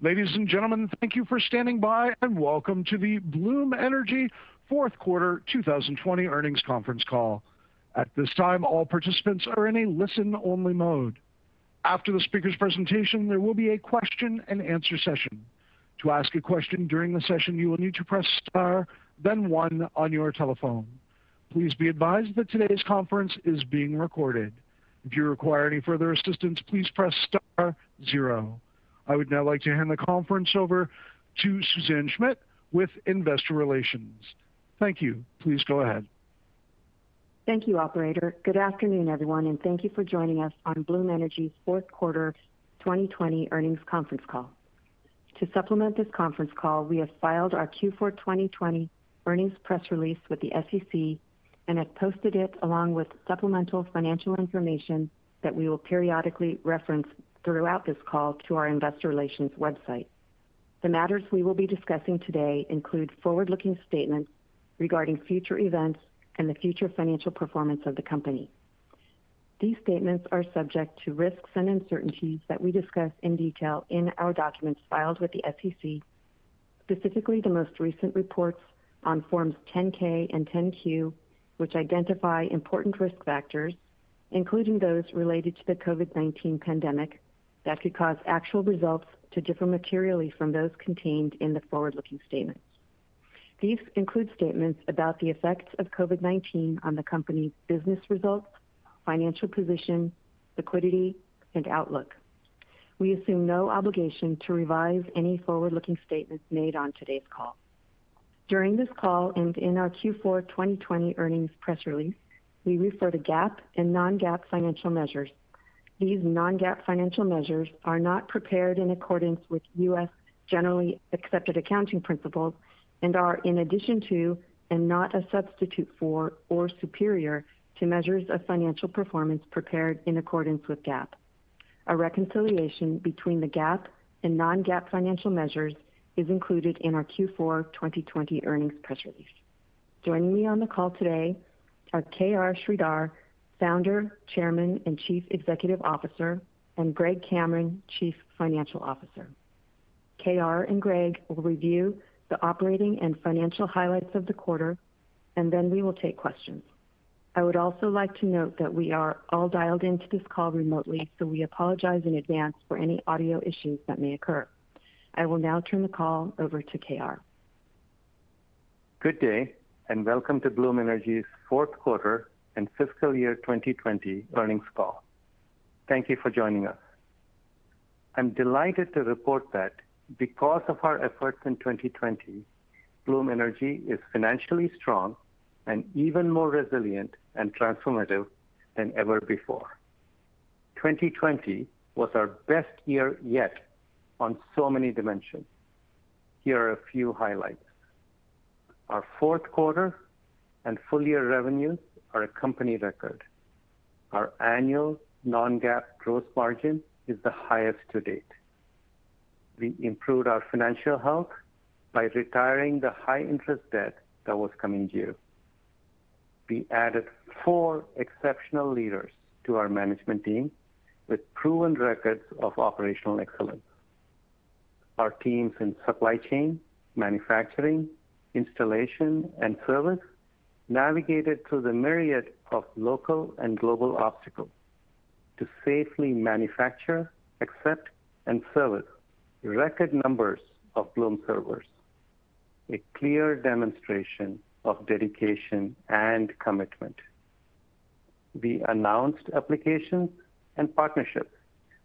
Ladies and gentlemen, thank you for standing by, and welcome to the Bloom Energy fourth quarter 2020 earnings conference call. At this time, all participants are in a listen-only mode. After the speaker's presentation, there will be a question-and-answer session. To ask a question during the session, you will need to press star then one on your telephone. Please be advised that today's conference is being recorded. If you require any further assistance, please press star zero. I would now like to hand the conference over to Suzanne Schmidt with Investor Relations. Thank you. Please go ahead. Thank you, operator. Good afternoon, everyone, and thank you for joining us on Bloom Energy's fourth quarter 2020 earnings conference call. To supplement this conference call, we have filed our Q4 2020 earnings press release with the SEC and have posted it, along with supplemental financial information that we will periodically reference throughout this call, to our investor relations website. The matters we will be discussing today include forward-looking statements regarding future events and the future financial performance of the company. These statements are subject to risks and uncertainties that we discuss in detail in our documents filed with the SEC, specifically the most recent reports on forms 10-K and 10-Q, which identify important risk factors, including those related to the COVID-19 pandemic, that could cause actual results to differ materially from those contained in the forward-looking statements. These include statements about the effects of COVID-19 on the company's business results, financial position, liquidity, and outlook. We assume no obligation to revise any forward-looking statements made on today's call. During this call and in our Q4 2020 earnings press release, we refer to GAAP and non-GAAP financial measures. These non-GAAP financial measures are not prepared in accordance with U.S. generally accepted accounting principles and are in addition to, and not a substitute for or superior to, measures of financial performance prepared in accordance with GAAP. A reconciliation between the GAAP and non-GAAP financial measures is included in our Q4 2020 earnings press release. Joining me on the call today are K.R. Sridhar, Founder, Chairman, and Chief Executive Officer, and Greg Cameron, Chief Financial Officer. K.R. and Greg will review the operating and financial highlights of the quarter, and then we will take questions. I would also like to note that we are all dialed into this call remotely, so we apologize in advance for any audio issues that may occur. I will now turn the call over to K.R. Good day, and welcome to Bloom Energy's fourth quarter and fiscal year 2020 earnings call. Thank you for joining us. I'm delighted to report that because of our efforts in 2020, Bloom Energy is financially strong and even more resilient and transformative than ever before. 2020 was our best year yet on so many dimensions. Here are a few highlights. Our fourth quarter and full-year revenues are a company record. Our annual non-GAAP gross margin is the highest to date. We improved our financial health by retiring the high-interest debt that was coming due. We added four exceptional leaders to our management team with proven records of operational excellence. Our teams in supply chain, manufacturing, installation, and service navigated through the myriad of local and global obstacles to safely manufacture, accept, and service record numbers of Bloom servers, a clear demonstration of dedication and commitment. We announced applications and partnerships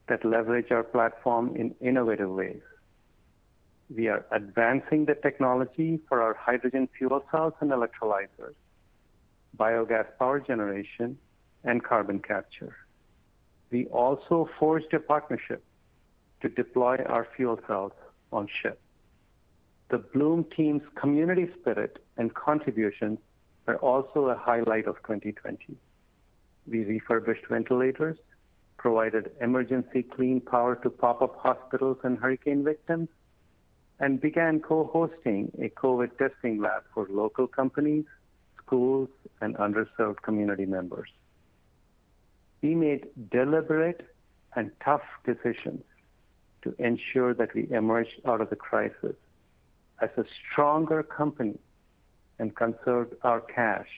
that leverage our platform in innovative ways. We are advancing the technology for our hydrogen fuel cells and electrolyzers, biogas power generation, and carbon capture. We also forged a partnership to deploy our fuel cells on ships. The Bloom team's community spirit and contributions are also a highlight of 2020. We refurbished ventilators, provided emergency clean power to pop-up hospitals and hurricane victims, and began co-hosting a COVID testing lab for local companies, schools, and underserved community members. We made deliberate and tough decisions to ensure that we emerged out of the crisis as a stronger company and conserved our cash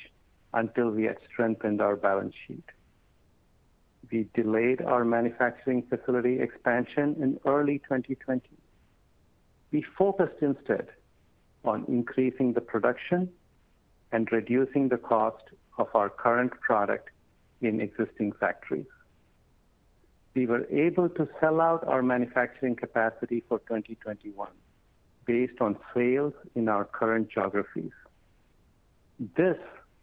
until we had strengthened our balance sheet. We delayed our manufacturing facility expansion in early 2020. We focused instead on increasing the production and reducing the cost of our current product in existing factories. We were able to sell out our manufacturing capacity for 2021 based on sales in our current geographies. This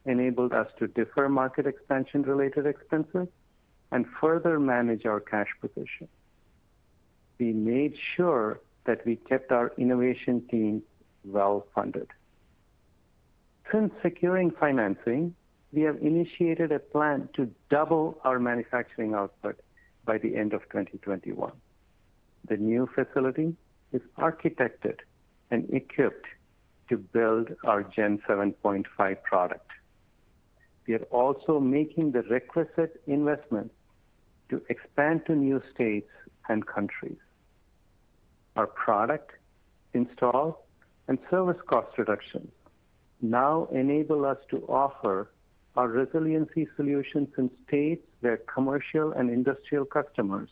enabled us to defer market expansion-related expenses and further manage our cash position. We made sure that we kept our innovation team well-funded. Since securing financing, we have initiated a plan to double our manufacturing output by the end of 2021. The new facility is architected and equipped to build our Gen 7.5 product. We are also making the requisite investment to expand to new states and countries. Our product install and service cost reduction now enable us to offer our resiliency solutions in states where commercial and industrial customers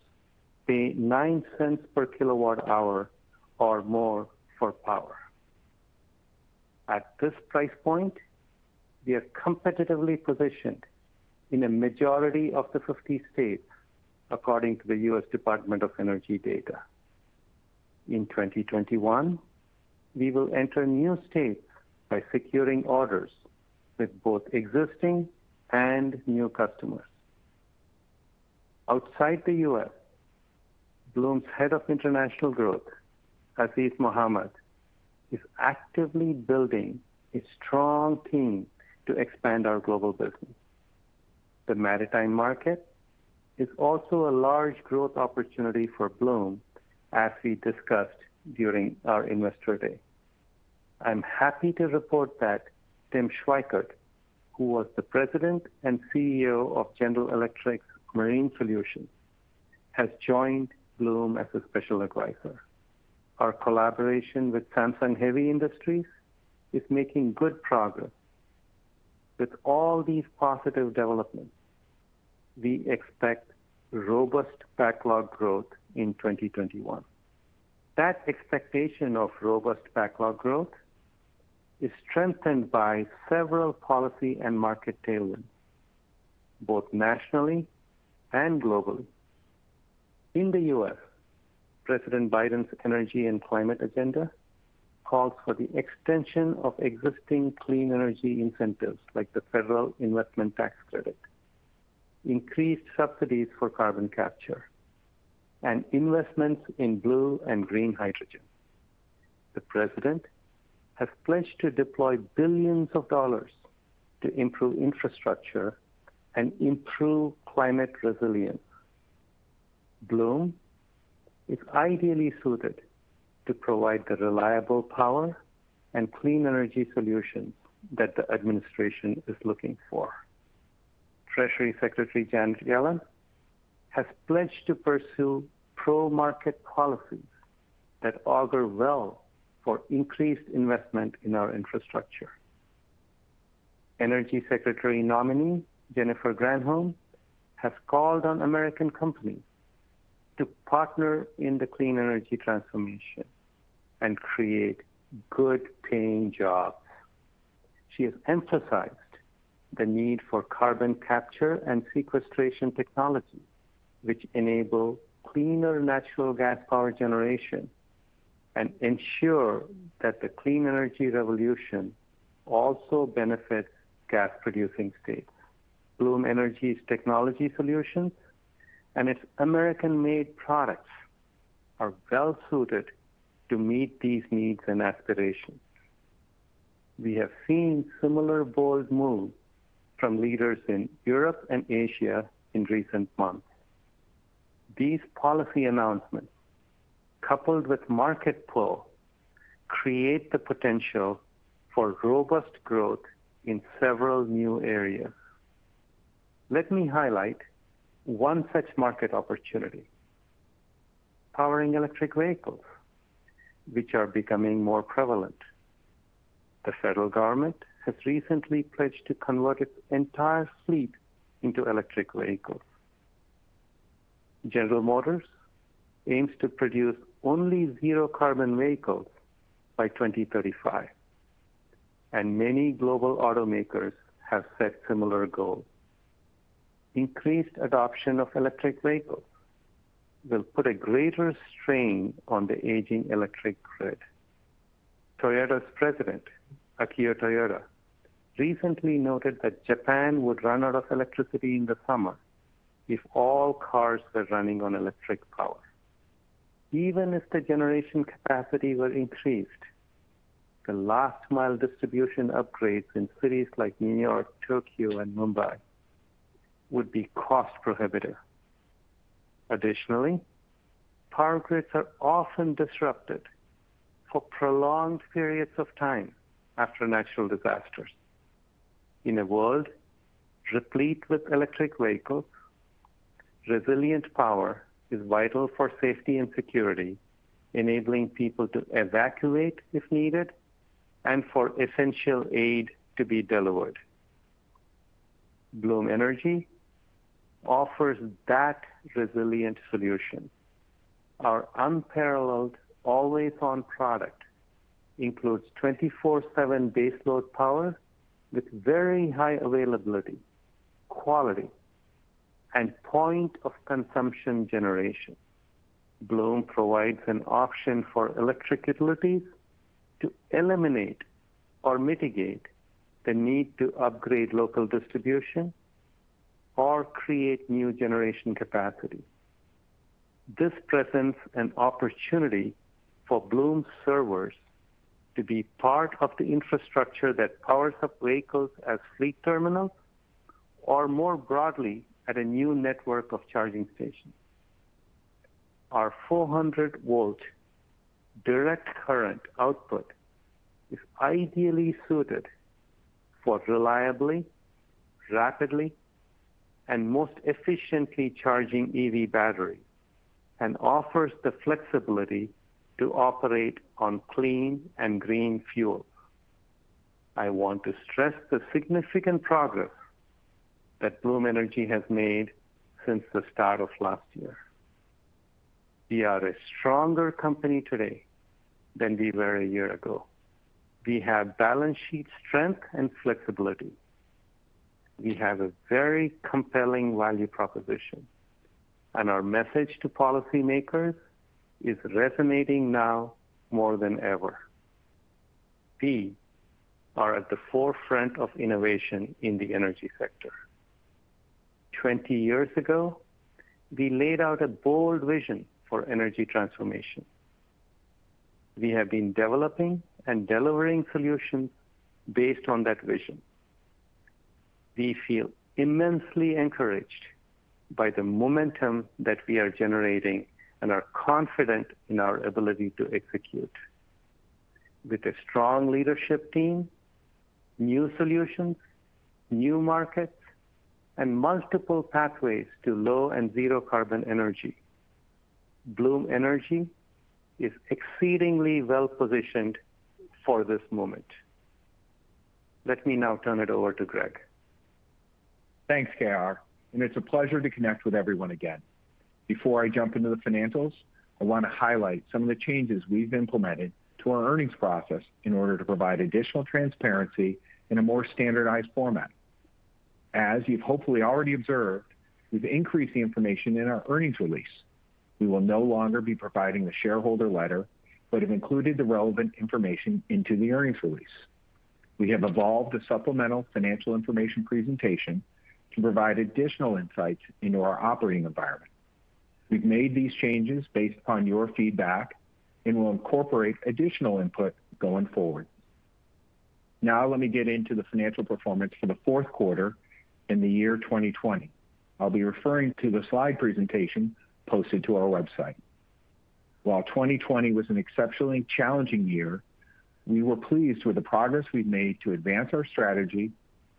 pay $0.09/kWh or more for power. At this price point, we are competitively positioned in a majority of the 50 states, according to the U.S. Department of Energy data. In 2021, we will enter new states by securing orders with both existing and new customers. Outside the U.S., Bloom's head of international growth, Azeez Mohammed, is actively building a strong team to expand our global business. The maritime market is also a large growth opportunity for Bloom, as we discussed during our Investor Day. I'm happy to report that Tim Schweikert, who was the president and CEO of GE's Marine Solutions, has joined Bloom as a Special Advisor. Our collaboration with Samsung Heavy Industries is making good progress. With all these positive developments, we expect robust backlog growth in 2021. That expectation of robust backlog growth is strengthened by several policy and market tailwinds, both nationally and globally. In the U.S., President Biden's energy and climate agenda calls for the extension of existing clean energy incentives like the federal investment tax credit, increased subsidies for carbon capture, and investments in blue and green hydrogen. The President has pledged to deploy billions of dollars to improve infrastructure and improve climate resilience. Bloom is ideally suited to provide the reliable power and clean energy solutions that the administration is looking for. Treasury Secretary Janet Yellen has pledged to pursue pro-market policies that augur well for increased investment in our infrastructure. Energy Secretary nominee, Jennifer Granholm, has called on American companies to partner in the clean energy transformation and create good-paying jobs. She has emphasized the need for carbon capture and sequestration technology, which enable cleaner natural gas power generation and ensure that the clean energy revolution also benefits gas-producing states. Bloom Energy's technology solutions and its American-made products are well-suited to meet these needs and aspirations. We have seen similar bold moves from leaders in Europe and Asia in recent months. These policy announcements, coupled with market pull, create the potential for robust growth in several new areas. Let me highlight one such market opportunity: powering electric vehicles, which are becoming more prevalent. The federal government has recently pledged to convert its entire fleet into electric vehicles. General Motors aims to produce only zero-carbon vehicles by 2035, and many global automakers have set similar goals. Increased adoption of electric vehicles will put a greater strain on the aging electric grid. Toyota's president, Akio Toyoda, recently noted that Japan would run out of electricity in the summer if all cars were running on electric power. Even if the generation capacity were increased, the last-mile distribution upgrades in cities like New York, Tokyo, and Mumbai would be cost-prohibitive. Additionally, power grids are often disrupted for prolonged periods of time after natural disasters. In a world replete with electric vehicles, resilient power is vital for safety and security, enabling people to evacuate if needed and for essential aid to be delivered. Bloom Energy offers that resilient solution. Our unparalleled always-on product includes 24/7 baseload power with very high availability, quality, and point of consumption generation. Bloom provides an option for electric utilities to eliminate or mitigate the need to upgrade local distribution or create new generation capacity. This presents an opportunity for Bloom servers to be part of the infrastructure that powers up vehicles at fleet terminals, or more broadly, at a new network of charging stations. Our 400 V direct current output is ideally suited for reliably, rapidly, and most efficiently charging EV batteries, and offers the flexibility to operate on clean and green fuel. I want to stress the significant progress that Bloom Energy has made since the start of last year. We are a stronger company today than we were a year ago. We have balance sheet strength and flexibility. We have a very compelling value proposition, and our message to policymakers is resonating now more than ever. We are at the forefront of innovation in the energy sector. 20 years ago, we laid out a bold vision for energy transformation. We have been developing and delivering solutions based on that vision. We feel immensely encouraged by the momentum that we are generating and are confident in our ability to execute. With a strong leadership team, new solutions, new markets, and multiple pathways to low and zero carbon energy, Bloom Energy is exceedingly well-positioned for this moment. Let me now turn it over to Greg. Thanks, K.R. It's a pleasure to connect with everyone again. Before I jump into the financials, I want to highlight some of the changes we've implemented to our earnings process in order to provide additional transparency in a more standardized format. As you've hopefully already observed, we've increased the information in our earnings release. We will no longer be providing the shareholder letter, but have included the relevant information into the earnings release. We have evolved the supplemental financial information presentation to provide additional insights into our operating environment. We've made these changes based upon your feedback and will incorporate additional input going forward. Let me get into the financial performance for the fourth quarter in the year 2020. I'll be referring to the slide presentation posted to our website. While 2020 was an exceptionally challenging year, we were pleased with the progress we've made to advance our strategy,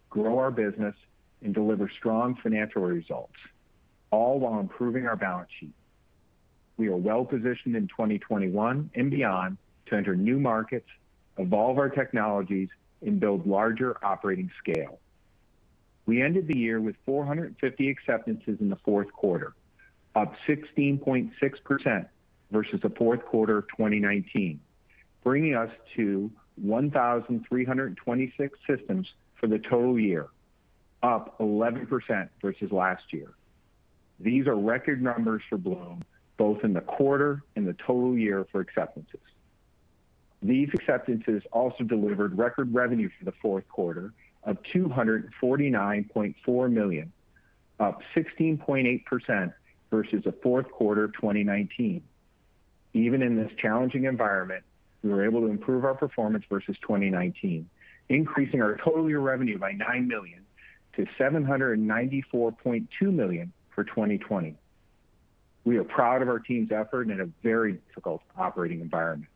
grow our business, and deliver strong financial results, all while improving our balance sheet. We are well-positioned in 2021 and beyond to enter new markets, evolve our technologies, and build larger operating scale. We ended the year with 450 acceptances in the fourth quarter, up 16.6% versus the fourth quarter of 2019, bringing us to 1,326 systems for the total year, up 11% versus last year. These are record numbers for Bloom, both in the quarter and the total year for acceptances. These acceptances also delivered record revenue for the fourth quarter of $249.4 million, up 16.8% versus the fourth quarter of 2019. Even in this challenging environment, we were able to improve our performance versus 2019, increasing our total year revenue by $9 million, to $794.2 million for 2020. We are proud of our team's effort in a very difficult operating environment.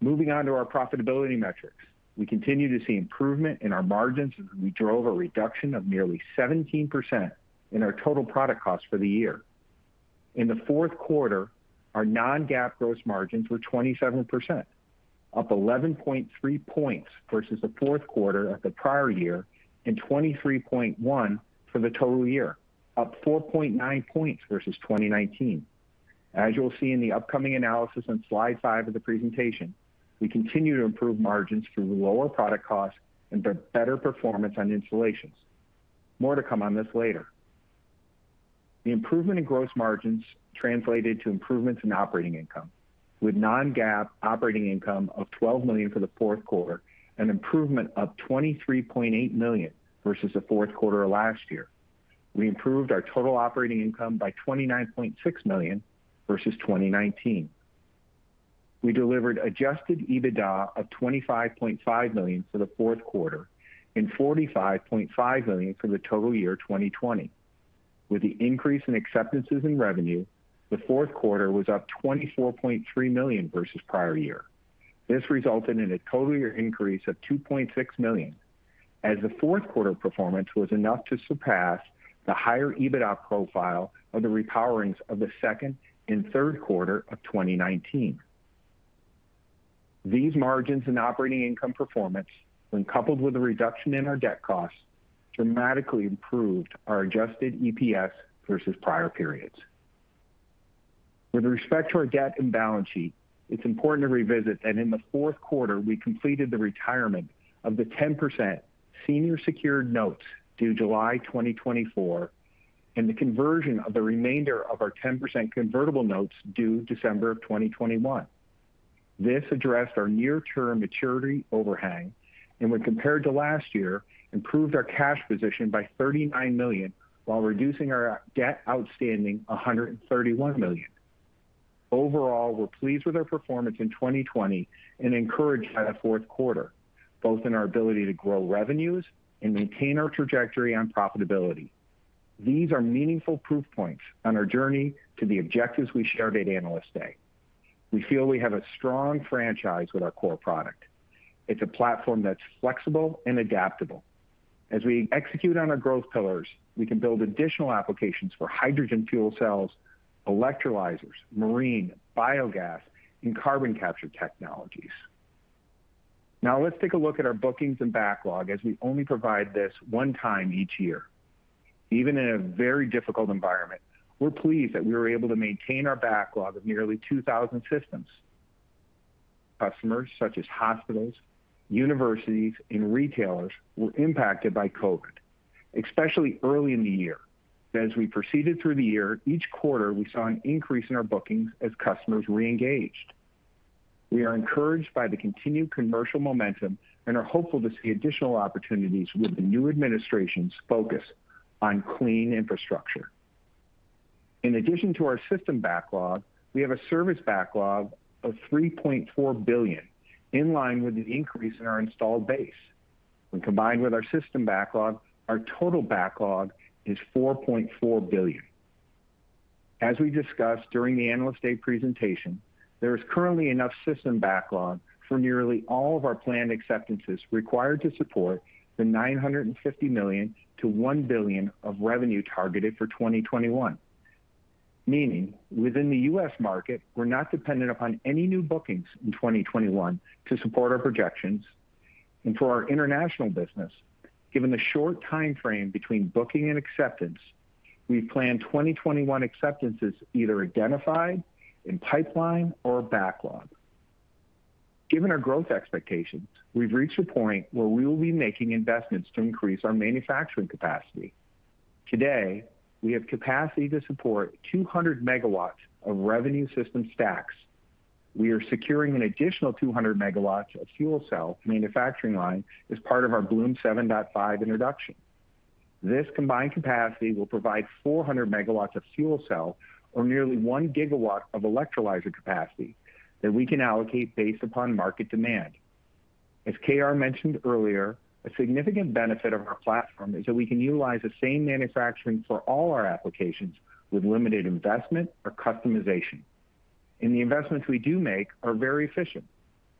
Moving on to our profitability metrics. We continue to see improvement in our margins as we drove a reduction of nearly 17% in our total product costs for the year. In the fourth quarter, our non-GAAP gross margins were 27%, up 11.3 points versus the fourth quarter of the prior year, and 23.1% for the total year, up 4.9 points versus 2019. As you will see in the upcoming analysis on slide five of the presentation, we continue to improve margins through lower product costs and better performance on installations. More to come on this later. The improvement in gross margins translated to improvements in operating income, with non-GAAP operating income of $12 million for the fourth quarter, an improvement of $23.8 million versus the fourth quarter of last year. We improved our total operating income by $29.6 million versus 2019. We delivered adjusted EBITDA of $25.5 million for the fourth quarter and $45.5 million for the total year 2020. With the increase in acceptances and revenue, the fourth quarter was up $24.3 million versus prior year. This resulted in a total year increase of $2.6 million, as the fourth quarter performance was enough to surpass the higher EBITDA profile of the repowerings of the second and third quarter of 2019. These margins and operating income performance, when coupled with a reduction in our debt costs, dramatically improved our adjusted EPS versus prior periods. With respect to our debt and balance sheet, it's important to revisit that in the fourth quarter, we completed the retirement of the 10% senior secured notes due July 2024, and the conversion of the remainder of our 10% convertible notes due December of 2021. This addressed our near-term maturity overhang, and when compared to last year, improved our cash position by $39 million while reducing our debt outstanding $131 million. Overall, we're pleased with our performance in 2020 and encouraged by the fourth quarter, both in our ability to grow revenues and maintain our trajectory on profitability. These are meaningful proof points on our journey to the objectives we shared at Analyst Day. We feel we have a strong franchise with our core product. It's a platform that's flexible and adaptable. As we execute on our growth pillars, we can build additional applications for hydrogen fuel cells, electrolyzers, marine, biogas, and carbon capture technologies. Let's take a look at our bookings and backlog as we only provide this one time each year. Even in a very difficult environment, we're pleased that we were able to maintain our backlog of nearly 2,000 systems. Customers such as hospitals, universities, and retailers were impacted by COVID-19, especially early in the year. As we proceeded through the year, each quarter, we saw an increase in our bookings as customers reengaged. We are encouraged by the continued commercial momentum and are hopeful to see additional opportunities with the new administration's focus on clean infrastructure. In addition to our system backlog, we have a service backlog of $3.4 billion, in line with the increase in our installed base. When combined with our system backlog, our total backlog is $4.4 billion. As we discussed during the Analyst Day presentation, there is currently enough system backlog for nearly all of our planned acceptances required to support the $950 million-$1 billion of revenue targeted for 2021. Meaning within the U.S. market, we're not dependent upon any new bookings in 2021 to support our projections. For our international business, given the short timeframe between booking and acceptance, we plan 2021 acceptances either identified, in pipeline, or backlog. Given our growth expectations, we've reached a point where we will be making investments to increase our manufacturing capacity. Today, we have capacity to support 200 MW of revenue system stacks. We are securing an additional 200 MW of fuel cell manufacturing line as part of our Bloom 7.5 introduction. This combined capacity will provide 400 MW of fuel cell or nearly 1 GW of electrolyzer capacity that we can allocate based upon market demand. As K.R. mentioned earlier, a significant benefit of our platform is that we can utilize the same manufacturing for all our applications with limited investment or customization. The investments we do make are very efficient.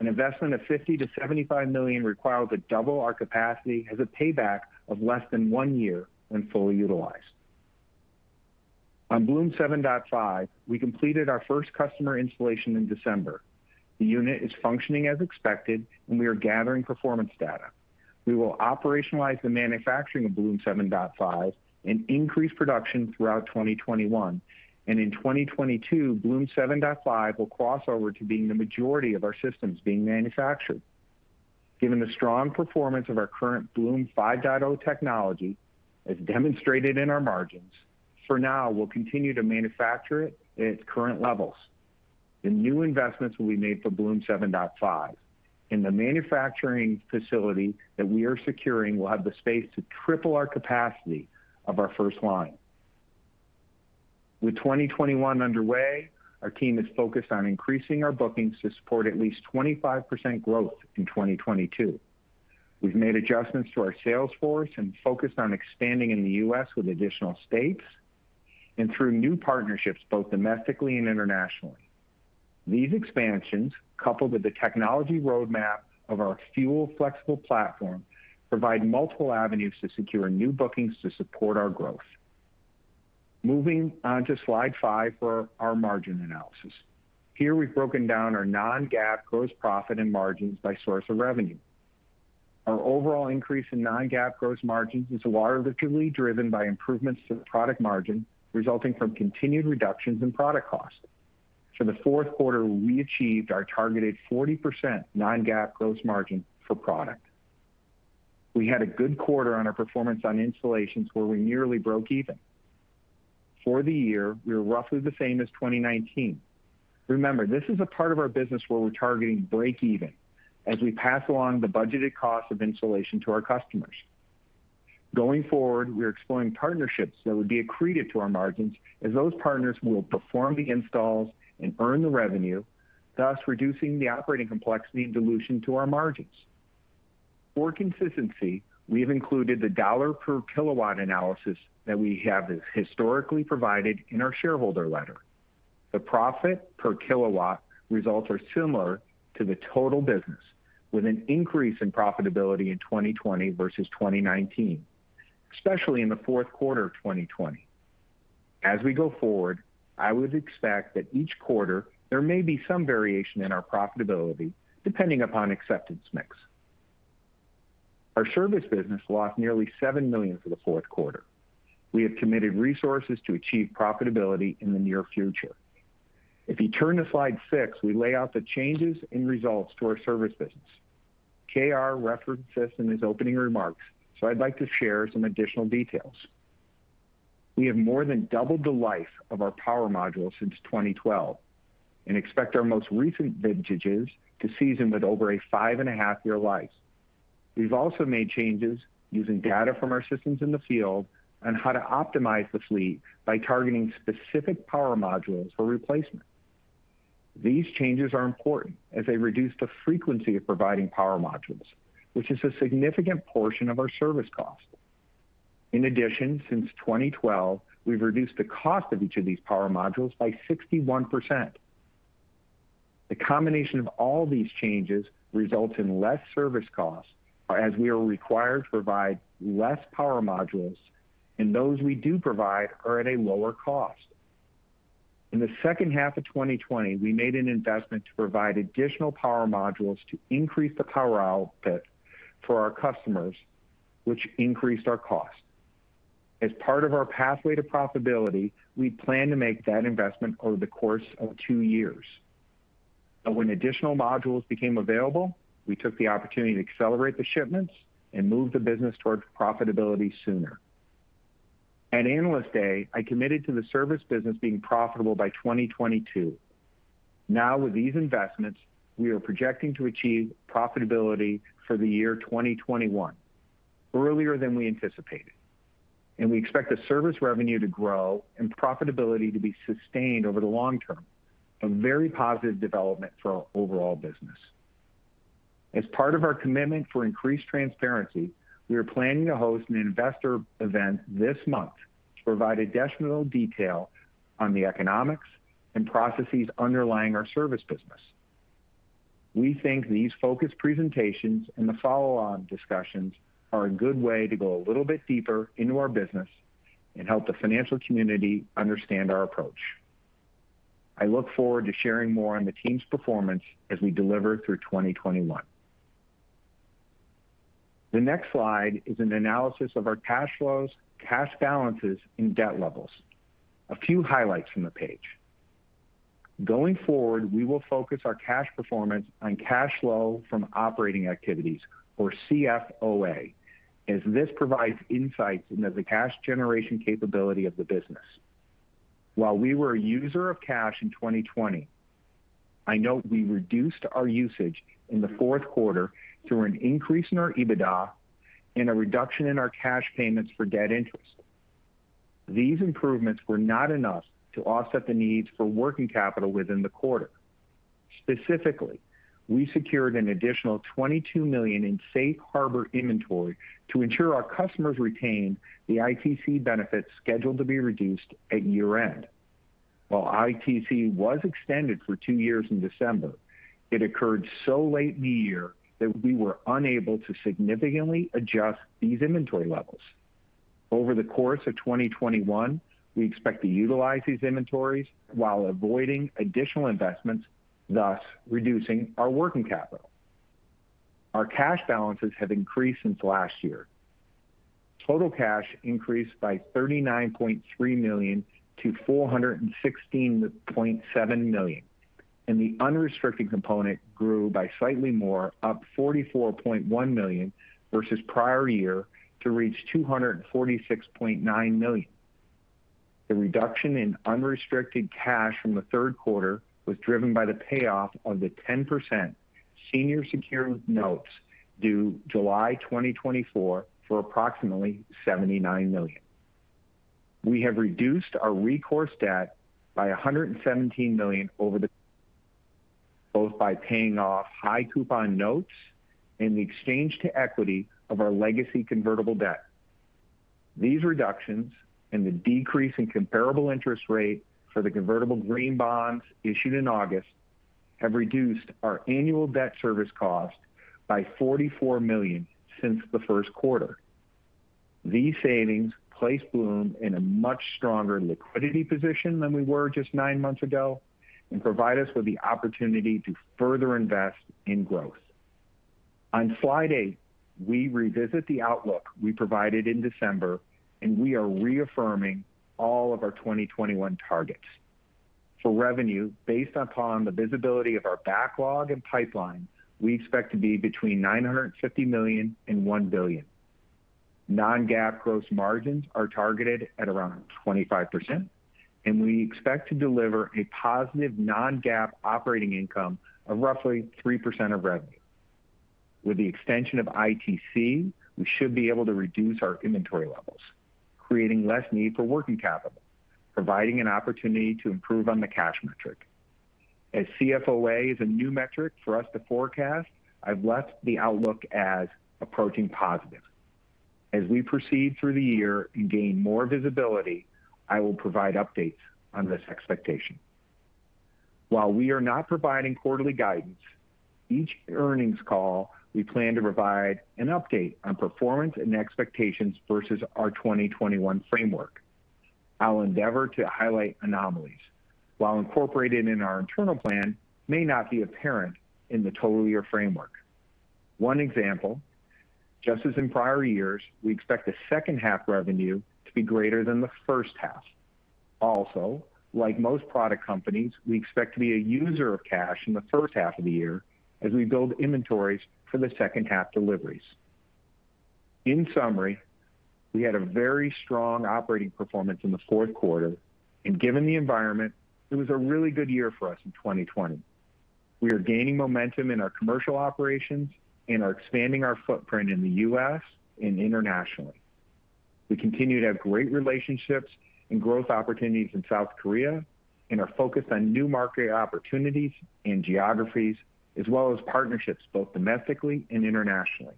An investment of $50 million-$75 million required to double our capacity has a payback of less than one year when fully utilized. On Bloom 7.5, we completed our first customer installation in December. The unit is functioning as expected, we are gathering performance data. We will operationalize the manufacturing of Bloom 7.5 and increase production throughout 2021. In 2022, Bloom 7.5 will cross over to being the majority of our systems being manufactured. Given the strong performance of our current Bloom 5.0 technology, as demonstrated in our margins, for now, we'll continue to manufacture it at its current levels. The new investments will be made for Bloom 7.5. In the manufacturing facility that we are securing, we'll have the space to triple our capacity of our first line. With 2021 underway, our team is focused on increasing our bookings to support at least 25% growth in 2022. We've made adjustments to our sales force and focused on expanding in the U.S. with additional states, and through new partnerships both domestically and internationally. These expansions, coupled with the technology roadmap of our fuel flexible platform, provide multiple avenues to secure new bookings to support our growth. Moving on to slide five for our margin analysis. Here we've broken down our non-GAAP gross profit and margins by source of revenue. Our overall increase in non-GAAP gross margins is largely driven by improvements to the product margin resulting from continued reductions in product costs. For the fourth quarter, we achieved our targeted 40% non-GAAP gross margin for product. We had a good quarter on our performance on installations where we nearly broke even. For the year, we are roughly the same as 2019. Remember, this is a part of our business where we're targeting breakeven as we pass along the budgeted cost of installation to our customers. Going forward, we are exploring partnerships that would be accretive to our margins, as those partners will perform the installs and earn the revenue, thus reducing the operating complexity and dilution to our margins. For consistency, we have included the dollar per kW analysis that we have historically provided in our shareholder letter. The profit per kW results are similar to the total business, with an increase in profitability in 2020 versus 2019, especially in the fourth quarter of 2020. As we go forward, I would expect that each quarter, there may be some variation in our profitability, depending upon acceptance mix. Our service business lost nearly $7 million for the fourth quarter. We have committed resources to achieve profitability in the near future. If you turn to slide six, we lay out the changes in results to our service business. K.R. referenced this in his opening remarks, so I'd like to share some additional details. We have more than doubled the life of our power module since 2012 and expect our most recent vintages to season with over a 5.5-year life. We've also made changes using data from our systems in the field on how to optimize the fleet by targeting specific power modules for replacement. These changes are important as they reduce the frequency of providing power modules, which is a significant portion of our service cost. In addition, since 2012, we've reduced the cost of each of these power modules by 61%. The combination of all these changes results in less service costs, as we are required to provide less power modules, and those we do provide are at a lower cost. In the second half of 2020, we made an investment to provide additional power modules to increase the power output for our customers, which increased our cost. As part of our pathway to profitability, we plan to make that investment over the course of two years. When additional modules became available, we took the opportunity to accelerate the shipments and move the business towards profitability sooner. At Analyst Day, I committed to the service business being profitable by 2022. Now, with these investments, we are projecting to achieve profitability for the year 2021, earlier than we anticipated. We expect the service revenue to grow and profitability to be sustained over the long term, a very positive development for our overall business. As part of our commitment for increased transparency, we are planning to host an investor event this month to provide additional detail on the economics and processes underlying our service business. We think these focused presentations and the follow-on discussions are a good way to go a little bit deeper into our business and help the financial community understand our approach. I look forward to sharing more on the team's performance as we deliver through 2021. The next slide is an analysis of our cash flows, cash balances, and debt levels. A few highlights from the page. Going forward, we will focus our cash performance on cash flow from operating activities, or CFOA, as this provides insights into the cash generation capability of the business. While we were a user of cash in 2020, I note we reduced our usage in the fourth quarter through an increase in our EBITDA and a reduction in our cash payments for debt interest. These improvements were not enough to offset the needs for working capital within the quarter. Specifically, we secured an additional $22 million in safe harbor inventory to ensure our customers retain the ITC benefits scheduled to be reduced at year-end. While ITC was extended for two years in December, it occurred so late in the year that we were unable to significantly adjust these inventory levels. Over the course of 2021, we expect to utilize these inventories while avoiding additional investments, thus reducing our working capital. Our cash balances have increased since last year. Total cash increased by $39.3 million to $416.7 million, and the unrestricted component grew by slightly more, up $44.1 million versus prior year to reach $246.9 million. The reduction in unrestricted cash from the third quarter was driven by the payoff of the 10% senior secured notes due July 2024 for approximately $79 million. We have reduced our recourse debt by $117 million, both by paying off high coupon notes and the exchange to equity of our legacy convertible debt. These reductions, and the decrease in comparable interest rate for the convertible green bonds issued in August, have reduced our annual debt service cost by $44 million since the first quarter. These savings place Bloom in a much stronger liquidity position than we were just nine months ago and provide us with the opportunity to further invest in growth. On slide eight, we revisit the outlook we provided in December, and we are reaffirming all of our 2021 targets. For revenue, based upon the visibility of our backlog and pipeline, we expect to be between $950 million and $1 billion. Non-GAAP gross margins are targeted at around 25%, and we expect to deliver a positive non-GAAP operating income of roughly 3% of revenue. With the extension of ITC, we should be able to reduce our inventory levels, creating less need for working capital, providing an opportunity to improve on the cash metric. As CFOA is a new metric for us to forecast, I've left the outlook as approaching positive. As we proceed through the year and gain more visibility, I will provide updates on this expectation. While we are not providing quarterly guidance, each earnings call we plan to provide an update on performance and expectations versus our 2021 framework. I'll endeavor to highlight anomalies, while incorporated in our internal plan, may not be apparent in the total year framework. One example, just as in prior years, we expect the second half revenue to be greater than the first half. Like most product companies, we expect to be a user of cash in the first half of the year as we build inventories for the second half deliveries. In summary, we had a very strong operating performance in the fourth quarter, and given the environment, it was a really good year for us in 2020. We are gaining momentum in our commercial operations and are expanding our footprint in the U.S. and internationally. We continue to have great relationships and growth opportunities in South Korea and are focused on new market opportunities and geographies, as well as partnerships both domestically and internationally.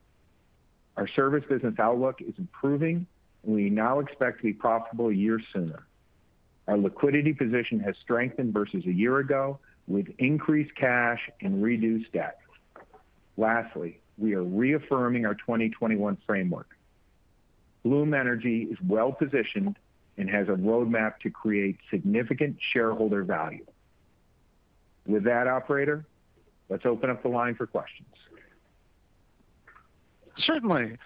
Our service business outlook is improving, and we now expect to be profitable a year sooner. Our liquidity position has strengthened versus a year ago, with increased cash and reduced debt. Lastly, we are reaffirming our 2021 framework. Bloom Energy is well-positioned and has a roadmap to create significant shareholder value. With that, operator, let's open up the line for questions. Your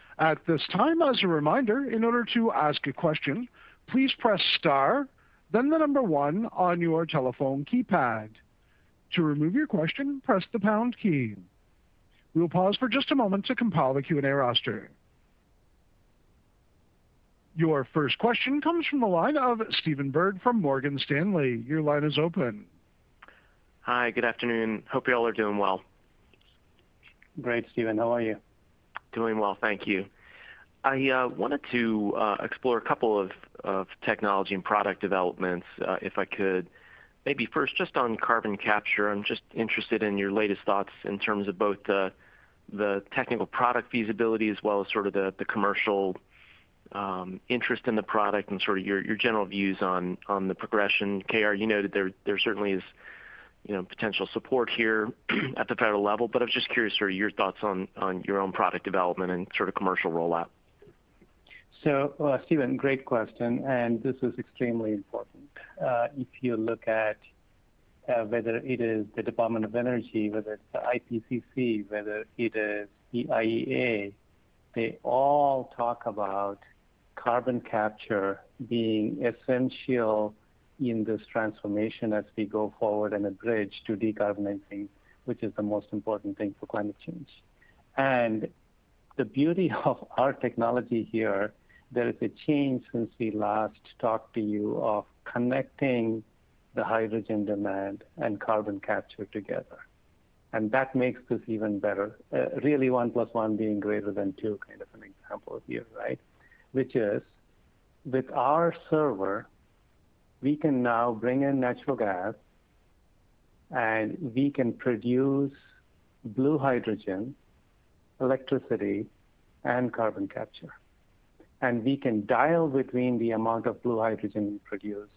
first question comes from the line of Stephen Byrd from Morgan Stanley. Your line is open. Hi, good afternoon. Hope you all are doing well. Great, Stephen. How are you? Doing well, thank you. I wanted to explore a couple of technology and product developments, if I could. Maybe first, just on carbon capture, I'm just interested in your latest thoughts in terms of both the technical product feasibility as well as sort of the commercial interest in the product and sort of your general views on the progression. K.R., you noted there certainly is potential support here at the federal level, but I was just curious for your thoughts on your own product development and sort of commercial rollout. Stephen, great question, and this is extremely important. If you look at whether it is the Department of Energy, whether it's the IPCC, whether it is the IEA, they all talk about carbon capture being essential in this transformation as we go forward and a bridge to decarbonizing, which is the most important thing for climate change. The beauty of our technology here, there is a change since we last talked to you of connecting the hydrogen demand and carbon capture together. That makes this even better. Really, one plus one being greater than two kind of an example here, right? Which is, with our server, we can now bring in natural gas and we can produce blue hydrogen, electricity, and carbon capture. We can dial between the amount of blue hydrogen we produce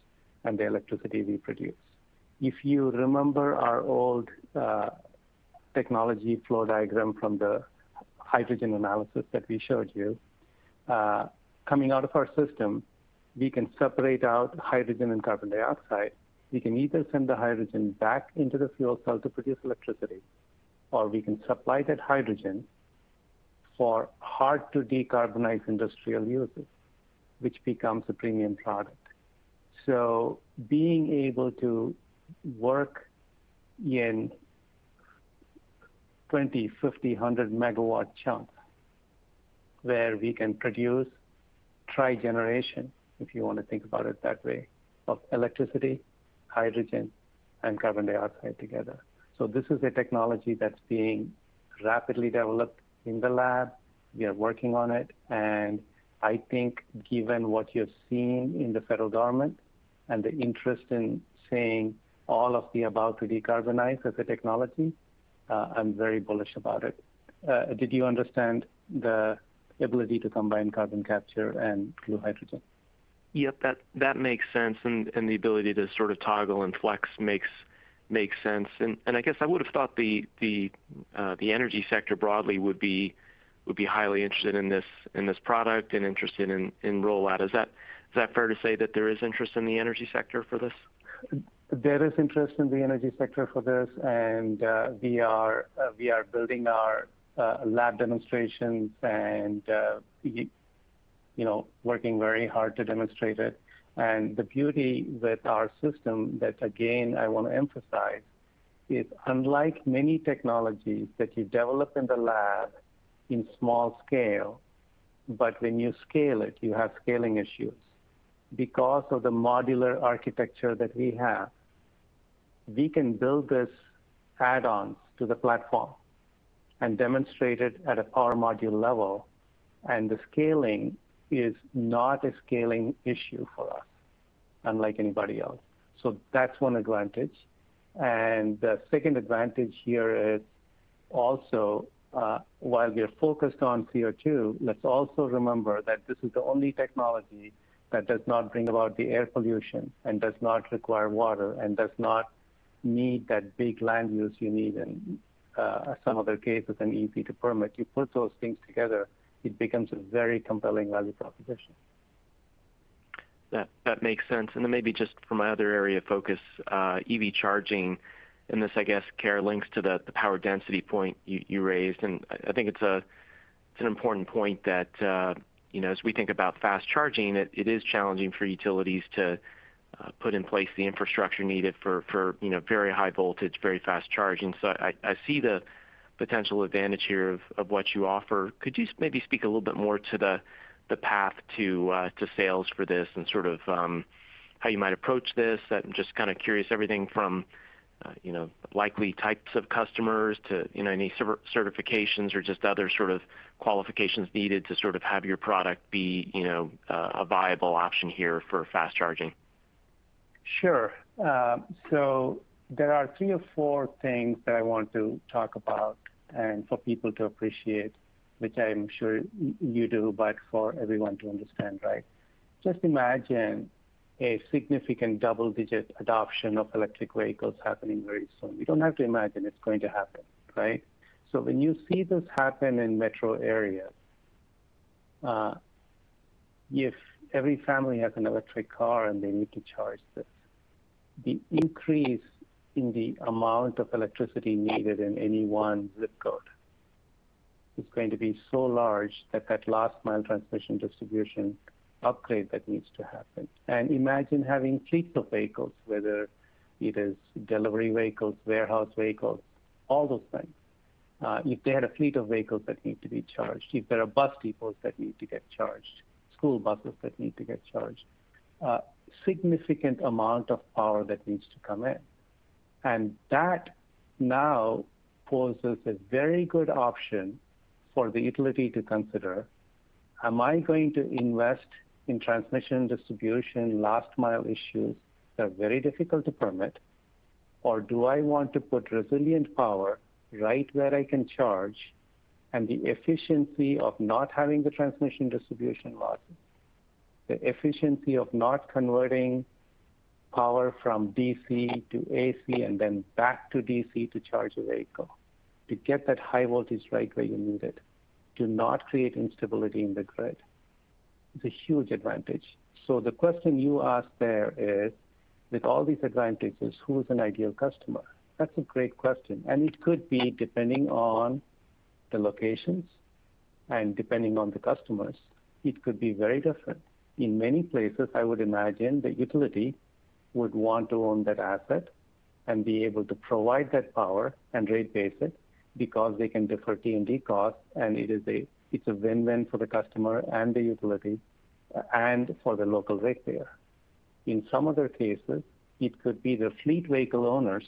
and the electricity we produce. If you remember our old technology flow diagram from the hydrogen analysis that we showed you, coming out of our system, we can separate out hydrogen and carbon dioxide. We can either send the hydrogen back into the fuel cell to produce electricity, or we can supply that hydrogen for hard-to-decarbonize industrial uses, which becomes a premium product. Being able to work in 20 MW, 50 MW, 100 MW chunks, where we can produce trigeneration, if you want to think about it that way, of electricity, hydrogen, and carbon dioxide together. This is a technology that's being rapidly developed in the lab. We are working on it, and I think given what you're seeing in the federal government and the interest in seeing all of the above to decarbonize as a technology, I'm very bullish about it. Did you understand the ability to combine carbon capture and blue hydrogen? Yep, that makes sense, and the ability to sort of toggle and flex makes sense. I guess I would have thought the energy sector broadly would be highly interested in this product and interested in rollout. Is that fair to say that there is interest in the energy sector for this? There is interest in the energy sector for this. We are building our lab demonstrations and working very hard to demonstrate it. The beauty with our system that, again, I want to emphasize, is unlike many technologies that you develop in the lab in small scale, but when you scale it, you have scaling issues. Because of the modular architecture that we have, we can build this add-ons to the platform and demonstrate it at a power module level, and the scaling is not a scaling issue for us, unlike anybody else. That's one advantage. The second advantage here is also, while we are focused on CO2, let's also remember that this is the only technology that does not bring about the air pollution and does not require water and does not need that big land use you need in some other cases, and easy to permit. You put those things together, it becomes a very compelling value proposition. That makes sense. Then maybe just for my other area of focus, EV charging, and this, I guess, K.R., links to the power density point you raised, and I think it's an important point that, as we think about fast charging, it is challenging for utilities to put in place the infrastructure needed for very high voltage, very fast charging. I see the potential advantage here of what you offer. Could you maybe speak a little bit more to the path to sales for this and how you might approach this? I'm just curious everything from likely types of customers to any certifications or just other sort of qualifications needed to sort of have your product be a viable option here for fast charging. Sure, there are three or four things that I want to talk about and for people to appreciate, which I am sure you do, but for everyone to understand, right? Just imagine a significant double-digit adoption of electric vehicles happening very soon. We don't have to imagine, it's going to happen. Right? When you see this happen in metro areas, if every family has an electric car and they need to charge this, the increase in the amount of electricity needed in any one ZIP code is going to be so large that that last-mile transmission distribution upgrade that needs to happen. Imagine having fleets of vehicles, whether it is delivery vehicles, warehouse vehicles, all those things. If they had a fleet of vehicles that need to be charged, if there are bus depots that need to get charged, school buses that need to get charged, significant amount of power that needs to come in. That now poses a very good option for the utility to consider. Am I going to invest in transmission distribution last-mile issues that are very difficult to permit, or do I want to put resilient power right where I can charge, and the efficiency of not having the transmission distribution losses, the efficiency of not converting power from DC to AC and then back to DC to charge a vehicle, to get that high voltage right where you need it, to not create instability in the grid, is a huge advantage. The question you asked there is, with all these advantages, who is an ideal customer? That's a great question. It could be, depending on the locations and depending on the customers, it could be very different. In many places, I would imagine the utility would want to own that asset and be able to provide that power and rate base it because they can defer T&D costs, and it's a win-win for the customer and the utility, and for the local ratepayer. In some other cases, it could be the fleet vehicle owners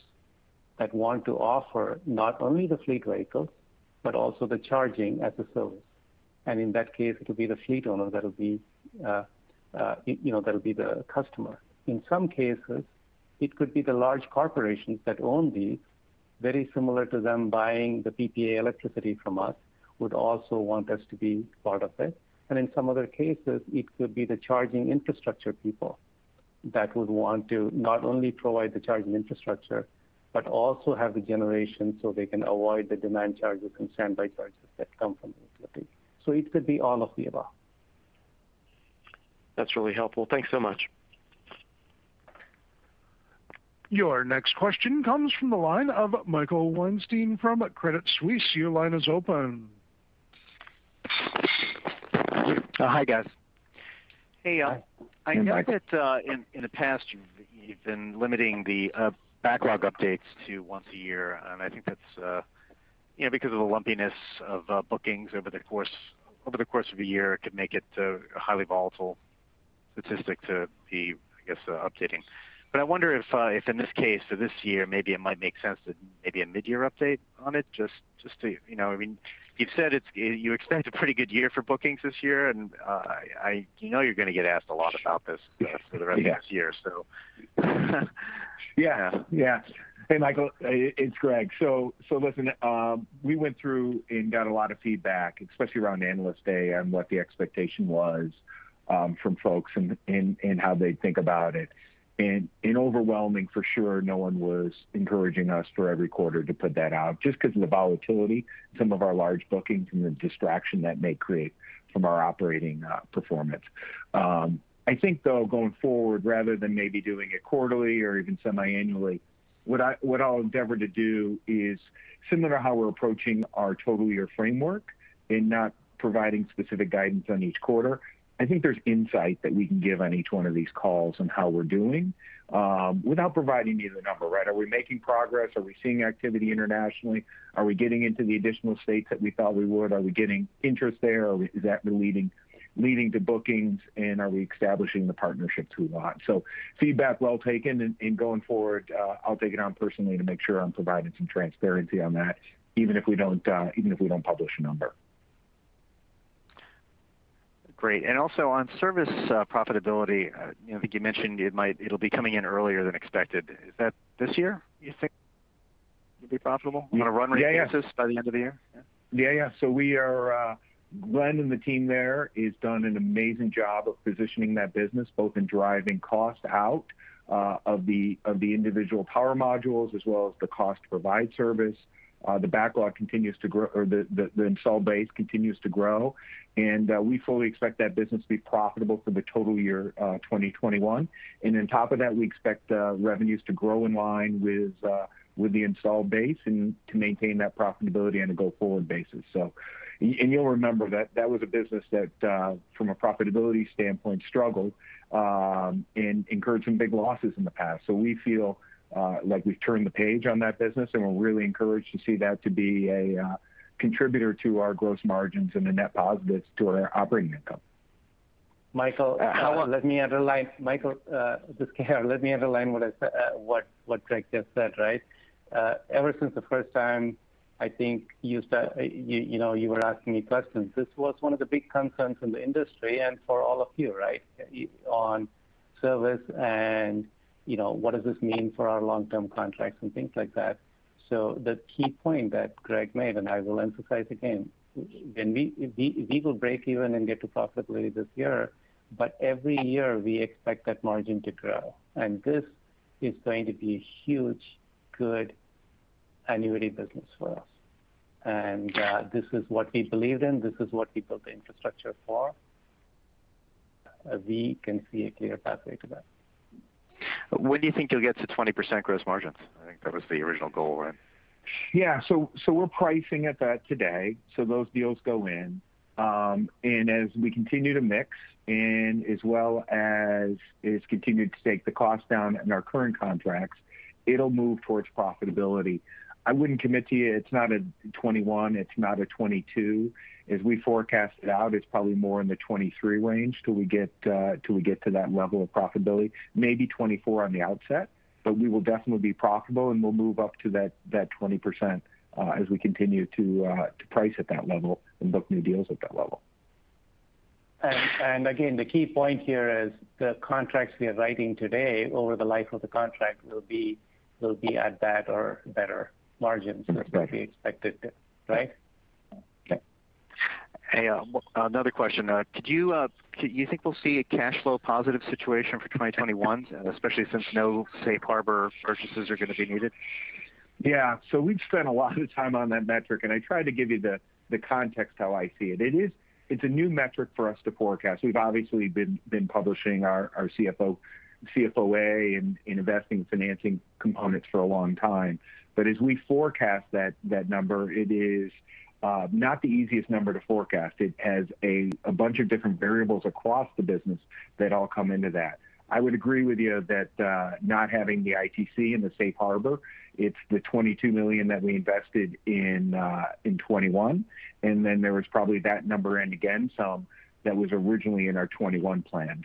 that want to offer not only the fleet vehicles, but also the charging as a service. In that case, it'll be the fleet owner that'll be the customer. In some cases, it could be the large corporations that own these, very similar to them buying the PPA electricity from us, would also want us to be part of this. In some other cases, it could be the charging infrastructure people that would want to not only provide the charging infrastructure, but also have the generation so they can avoid the demand charges and standby charges that come from the utility. It could be all of the above. That's really helpful, thanks so much. Your next question comes from the line of Michael Weinstein from Credit Suisse. Your line is open. Thank you. Hi, guys. Hi. Hey, I know that in the past, you've been limiting the backlog updates to once a year. I think that's because of the lumpiness of bookings over the course of a year, it could make it a highly volatile statistic to be updating. I wonder if in this case, for this year, maybe it might make sense that maybe a mid-year update on it. You've said you expect a pretty good year for bookings this year, and I know you're going to get asked a lot about this stuff for the rest of this year. Yeah. Hey, Michael, it's Greg. Listen, we went through and got a lot of feedback, especially around Analyst Day, on what the expectation was from folks and how they think about it. In overwhelming, for sure, no one was encouraging us for every quarter to put that out just because of the volatility, some of our large bookings, and the distraction that may create from our operating performance. I think though, going forward, rather than maybe doing it quarterly or even semi-annually, what I'll endeavor to do is similar how we're approaching our total year framework in not providing specific guidance on each quarter. I think there's insight that we can give on each one of these calls on how we're doing without providing you the number, right? Are we making progress? Are we seeing activity internationally? Are we getting into the additional states that we thought we would? Are we getting interest there? Is that leading to bookings, and are we establishing the partnerships we want? Feedback well taken, and going forward, I'll take it on personally to make sure I'm providing some transparency on that, even if we don't publish a number. Great. Also on service profitability, I think you mentioned it'll be coming in earlier than expected. Is that this year, you think it'll be profitable on a run-rate basis by the end of the year? Yeah. Glenn and the team there has done an amazing job of positioning that business, both in driving cost out of the individual power modules as well as the cost to provide service. We fully expect that business to be profitable for the total year 2021. On top of that, we expect revenues to grow in line with the install base and to maintain that profitability on a go-forward basis. You'll remember that that was a business that, from a profitability standpoint, struggled and incurred some big losses in the past. We feel like we've turned the page on that business, and we're really encouraged to see that to be a contributor to our gross margins and a net positive to our operating income. Hello, let me underline. Michael, this is K.R. Let me underline what Greg just said. Ever since the first time, I think, you were asking me questions. This was one of the big concerns in the industry and for all of you, on service and what does this mean for our long-term contracts and things like that. The key point that Greg made, and I will emphasize again, we will break even and get to profitability this year, but every year we expect that margin to grow. This is going to be a huge, good annuity business for us. This is what we believe in, this is what we built the infrastructure for, and we can see a clear pathway to that. When do you think you'll get to 20% gross margins? I think that was the original goal, right? We're pricing at that today. Those deals go in, and as we continue to mix, and as well as it's continued to take the cost down in our current contracts, it'll move towards profitability. I wouldn't commit to you, it's not a 2021, it's not a 2022. As we forecast it out, it's probably more in the 2023 range till we get to that level of profitability. Maybe 2024 on the outset. We will definitely be profitable, and we'll move up to that 20% as we continue to price at that level and book new deals at that level. Again, the key point here is the contracts we are writing today, over the life of the contract, will be at that or better margins than what we expected. Right? Okay. Hey, another question. Do you think we'll see a cash flow positive situation for 2021, especially since no safe harbor purchases are going to be needed? Yeah. We've spent a lot of time on that metric, and I tried to give you the context how I see it. It's a new metric for us to forecast. We've obviously been publishing our CFOA and investing financing components for a long time. As we forecast that number, it is not the easiest number to forecast. It has a bunch of different variables across the business that all come into that. I would agree with you that not having the ITC and the safe harbor, it's the $22 million that we invested in 2021, and then there was probably that number in again, some that was originally in our 2021 plan.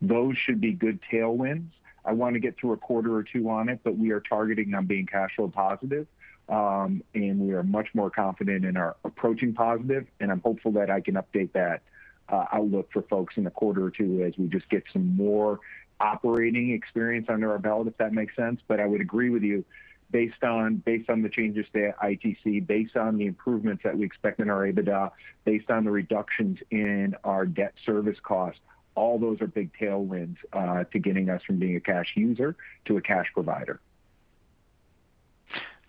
Those should be good tailwinds. I want to get through a quarter or two on it, but we are targeting on being cash flow positive, and we are much more confident and are approaching positive, and I'm hopeful that I can update that outlook for folks in a quarter or two as we just get some more operating experience under our belt, if that makes sense. I would agree with you, based on the changes to ITC, based on the improvements that we expect in our EBITDA, based on the reductions in our debt service cost, all those are big tailwinds to getting us from being a cash user to a cash provider.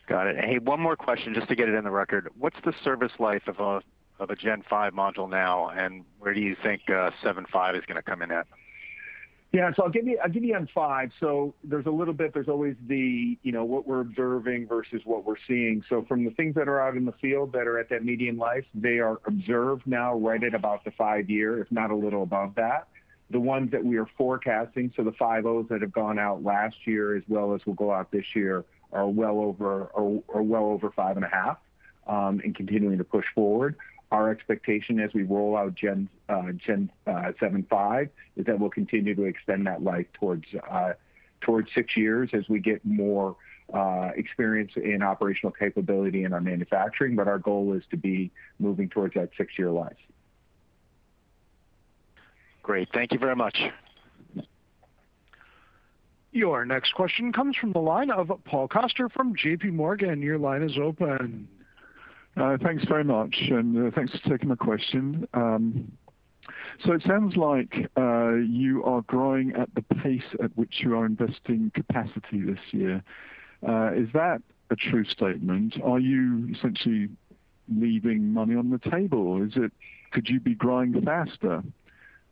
Got it. Hey, one more question just to get it in the record. What's the service life of a Gen 5.0 module now, and where do you think Gen 7.5 is going to come in at? I'll give you on five, There's a little bit, there's always what we're observing versus what we're seeing. From the things that are out in the field that are at that median life, they are observed now right at about the five-year, if not a little above that. The ones that we are forecasting, the Bloom 5.0s that have gone out last year as well as will go out this year, are well over 5.5, and continuing to push forward. Our expectation as we roll out Gen 7.5 is that we'll continue to extend that life towards six years as we get more experience in operational capability in our manufacturing. Our goal is to be moving towards that six-year life. Great. Thank you very much. Your next question comes from the line of Paul Coster from JPMorgan. Your line is open. Thanks very much, thanks for taking the question. It sounds like you are growing at the pace at which you are investing capacity this year. Is that a true statement? Are you essentially leaving money on the table? Could you be growing faster?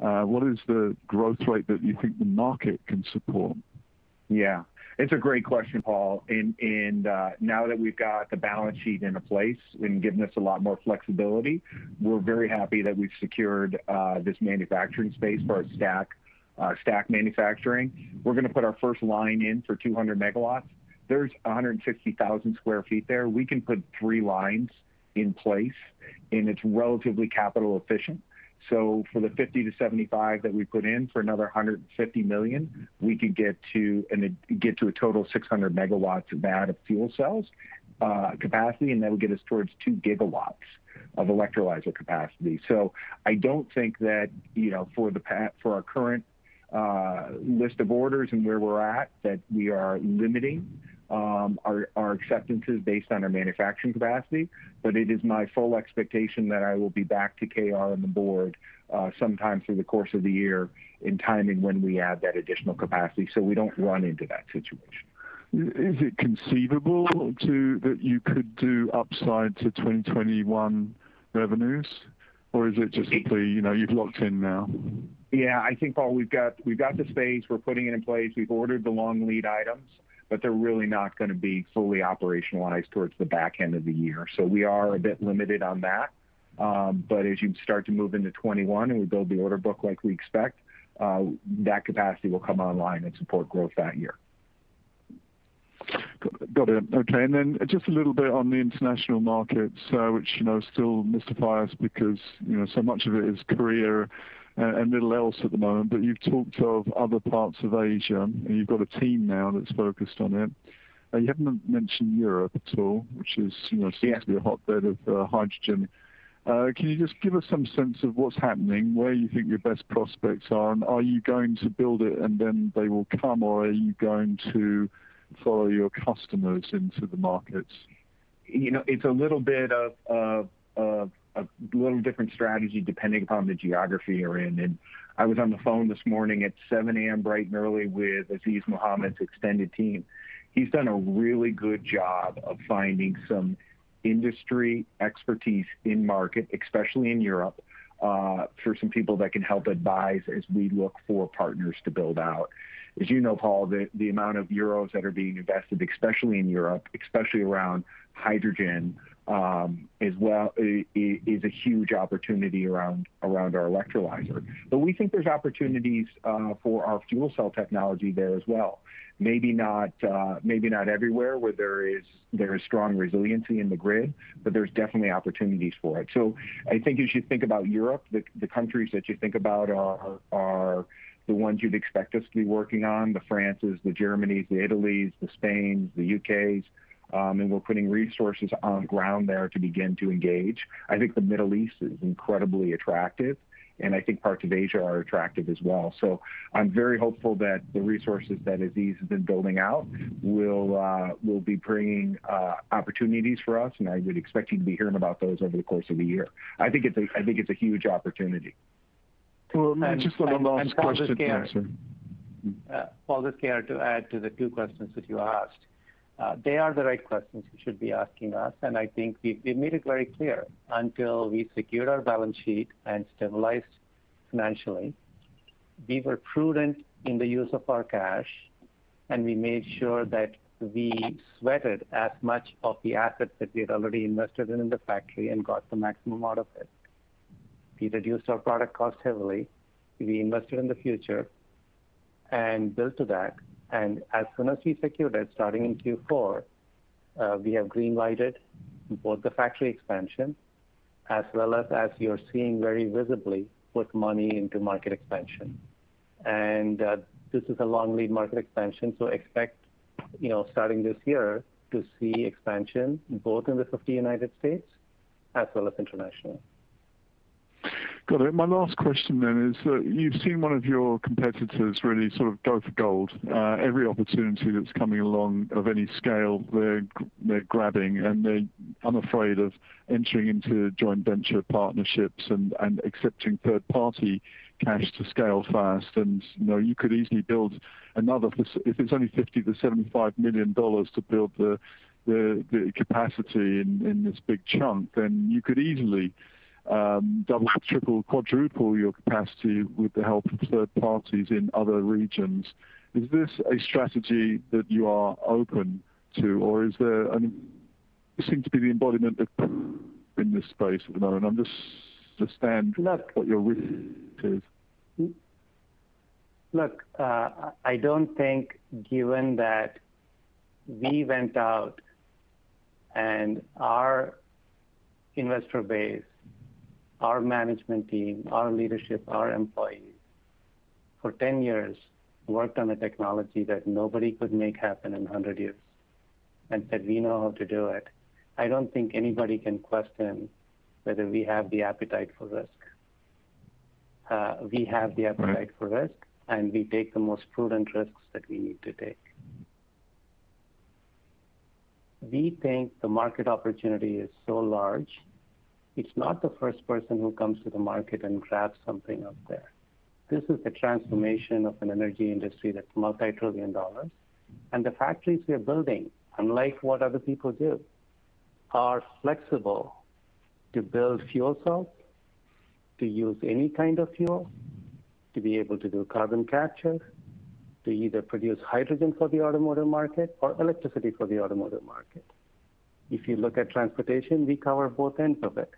What is the growth rate that you think the market can support? Yeah. It's a great question, Paul, now that we've got the balance sheet into place and given us a lot more flexibility, we're very happy that we've secured this manufacturing space for our stack manufacturing. We're going to put our first line in for 200 MW. There's 160,000 sq ft there. We can put three lines in place, and it's relatively capital efficient. For the 50-75 that we put in for another $150 million, we could get to a total 600 MW of stack of fuel cells capacity, and that'll get us towards 2 GW of electrolyzer capacity. I don't think that for our current list of orders and where we're at, that we are limiting our acceptances based on our manufacturing capacity. It is my full expectation that I will be back to K.R. and the board sometime through the course of the year in timing when we add that additional capacity, so we don't run into that situation. Is it conceivable too that you could do upside to 2021 revenues? Is it just simply, you've locked in now? Yeah. I think, Paul, we've got the space. We're putting it in place. We've ordered the long lead items, but they're really not going to be fully operationalized towards the back end of the year. We are a bit limited on that. As you start to move into 2021 and we build the order book like we expect, that capacity will come online and support growth that year. Got it. Okay, just a little bit on the international markets, which still mystify us because so much of it is Korea and little else at the moment. You've talked of other parts of Asia, you've got a team now that's focused on it. You haven't mentioned Europe at all, which seems to be a hotbed of hydrogen. Can you just give us some sense of what's happening, where you think your best prospects are, and are you going to build it and then they will come, or are you going to follow your customers into the markets? It's a little bit of a little different strategy depending upon the geography you're in. I was on the phone this morning at 7:00 A.M. bright and early with Azeez Mohammed's extended team. He's done a really good job of finding some industry expertise in market, especially in Europe, for some people that can help advise as we look for partners to build out. As you know, Paul, the amount of euros that are being invested, especially in Europe, especially around hydrogen, is a huge opportunity around our electrolyzer. We think there's opportunities for our fuel cell technology there as well. Maybe not everywhere where there is strong resiliency in the grid, but there's definitely opportunities for it. I think as you think about Europe, the countries that you think about are the ones you'd expect us to be working on, France, Germany, Italy, Spain, the U.K., and we're putting resources on ground there to begin to engage. I think the Middle East is incredibly attractive, and I think parts of Asia are attractive as well. I'm very hopeful that the resources that Azeez has been building out will be bringing opportunities for us, and I would expect you to be hearing about those over the course of the year. I think it's a huge opportunity. Just one last question? Paul, just to add to the two questions that you asked. They are the right questions you should be asking us, and I think we made it very clear until we secured our balance sheet and stabilized financially, we were prudent in the use of our cash, and we made sure that we sweated as much of the assets that we had already invested in the factory and got the maximum out of it. We reduced our product cost heavily. We invested in the future, and built to that. As soon as we secured it, starting in Q4, we have green-lighted both the factory expansion, as well as you're seeing very visibly, put money into market expansion. This is a long lead market expansion, so expect starting this year to see expansion both in the 50 United States as well as internationally. Got it. My last question is, you've seen one of your competitors really sort of go for gold. Every opportunity that's coming along of any scale, they're grabbing, they're unafraid of entering into joint venture partnerships and accepting third-party cash to scale fast. You could easily build another. If it's only $50 million-$75 million to build the capacity in this big chunk, then you could easily double, triple, quadruple your capacity with the help of third parties in other regions. Is this a strategy that you are open to, or is there seem to be the embodiment in the space to understand? Look, I don't think given that we went out and our investor base, our management team, our leadership, our employees, for 10 years, worked on a technology that nobody could make happen in 100 years and said, "We know how to do it." I don't think anybody can question whether we have the appetite for risk. We have the appetite for risk, and we take the most prudent risks that we need to take. We think the market opportunity is so large, it's not the first person who comes to the market and grabs something up there. This is the transformation of an energy industry that's multi-trillion dollars. The factories we are building, unlike what other people do, are flexible to build fuel cells, to use any kind of fuel, to be able to do carbon capture, to either produce hydrogen for the automotive market or electricity for the automotive market. If you look at transportation, we cover both ends of it.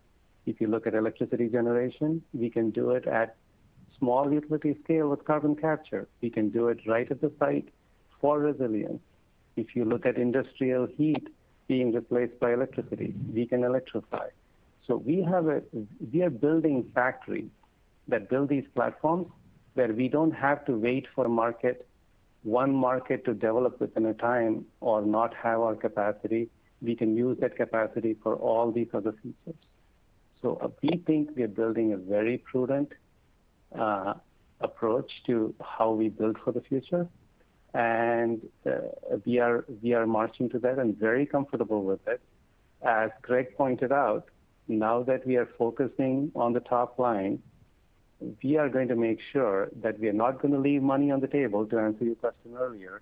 If you look at electricity generation, we can do it at small utility scale with carbon capture. We can do it right at the site for resilience. If you look at industrial heat being replaced by electricity, we can electrify. We are building factories that build these platforms where we don't have to wait for one market to develop within a time or not have our capacity. We can use that capacity for all these other features. We think we are building a very prudent approach to how we build for the future, and we are marching to that and very comfortable with it. As Greg pointed out, now that we are focusing on the top line, we are going to make sure that we are not going to leave money on the table, to answer your question earlier,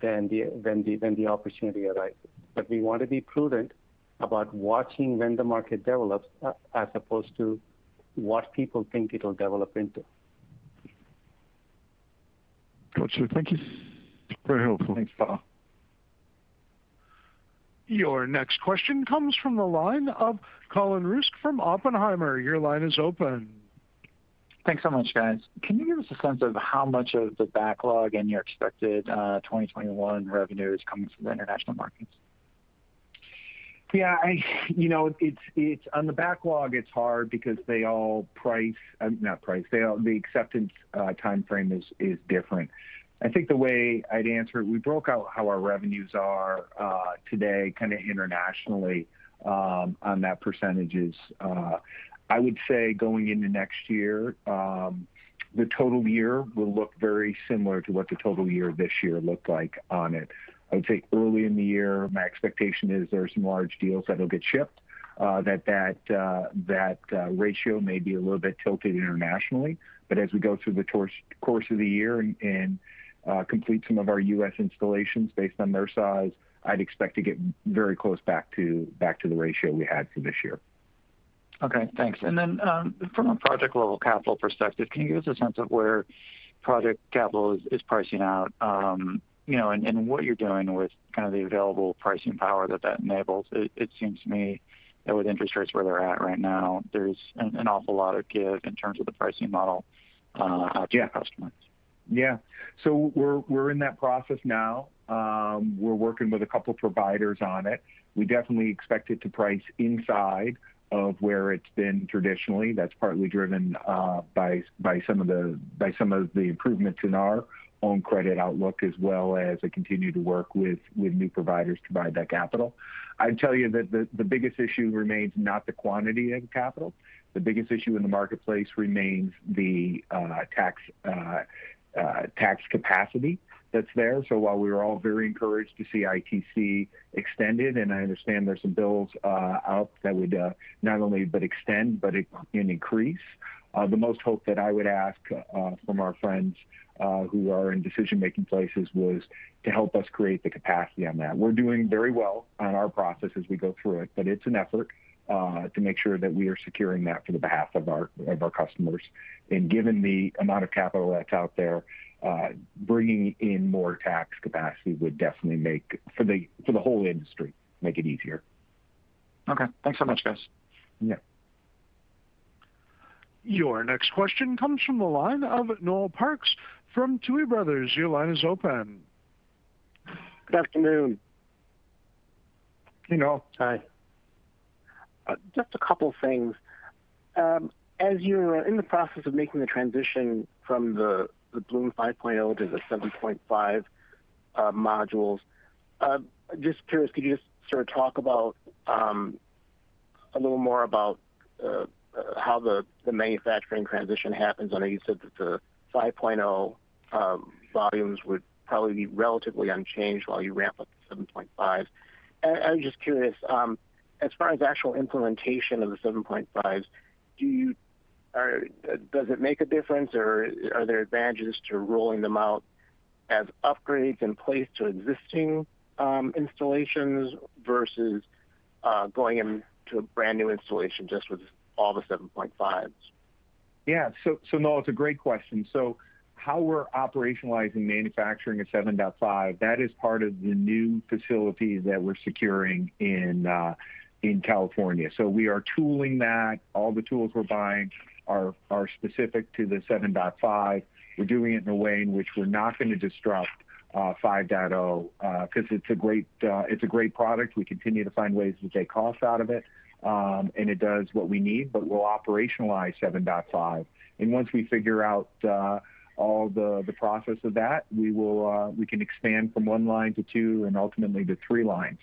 when the opportunity arises. We want to be prudent about watching when the market develops as opposed to what people think it'll develop into. Got you. Thank you, very helpful. Thanks, Paul. Your next question comes from the line of Colin Rusch from Oppenheimer. Your line is open. Thanks so much, guys. Can you give us a sense of how much of the backlog and your expected 2021 revenue is coming from the international markets? Yeah. On the backlog, it's hard because they all, not price the acceptance timeframe is different. I think the way I'd answer it, we broke out how our revenues are today kind of internationally on that percentages. I would say going into next year, the total year will look very similar to what the total year this year looked like on it. I would say early in the year, my expectation is there's some large deals that'll get shipped, that ratio may be a little bit tilted internationally. As we go through the course of the year and complete some of our U.S. installations based on their size, I'd expect to get very close back to the ratio we had for this year. Okay, thanks. From a project level capital perspective, can you give us a sense of where project capital is pricing out, and what you're doing with kind of the available pricing power that that enables? It seems to me that with interest rates where they're at right now, there's an awful lot of give in terms of the pricing model out to your customers. Yeah, we're in that process now. We're working with a couple providers on it. We definitely expect it to price inside of where it's been traditionally, that's partly driven by some of the improvements in our own credit outlook as well as we continue to work with new providers to provide that capital. I'd tell you that the biggest issue remains not the quantity of capital. The biggest issue in the marketplace remains the tax capacity that's there. While we were all very encouraged to see ITC extended, and I understand there's some bills out that would not only but extend, but increase. The most hope that I would ask from our friends who are in decision-making places was to help us create the capacity on that. We're doing very well on our process as we go through it, but it's an effort to make sure that we are securing that for the behalf of our customers. Given the amount of capital that's out there, bringing in more tax capacity would definitely, for the whole industry, make it easier. Okay. Thanks so much, guys. Yeah. Your next question comes from the line of Noel Parks from Tuohy Brothers. Your line is open. Good afternoon. Hey, Noel. Hi, just a couple things. As you're in the process of making the transition from the Bloom 5.0 to the 7.5 modules, just curious, could you just sort of talk a little more about how the manufacturing transition happens? I know you said that the 5.0 volumes would probably be relatively unchanged while you ramp up the 7.5. I was just curious, as far as actual implementation of the 7.5, does it make a difference or are there advantages to rolling them out as upgrades in place to existing installations versus going into a brand-new installation just with all the 7.5s? Yeah. Noel, it's a great question. How we're operationalizing manufacturing of 7.5, that is part of the new facility that we're securing in California. We are tooling that. All the tools we're buying are specific to the 7.5. We're doing it in a way in which we're not going to disrupt 5.0, because it's a great product. We continue to find ways to take costs out of it. It does what we need. We'll operationalize 7.5. Once we figure out all the process of that, we can expand from one line to two, and ultimately to three lines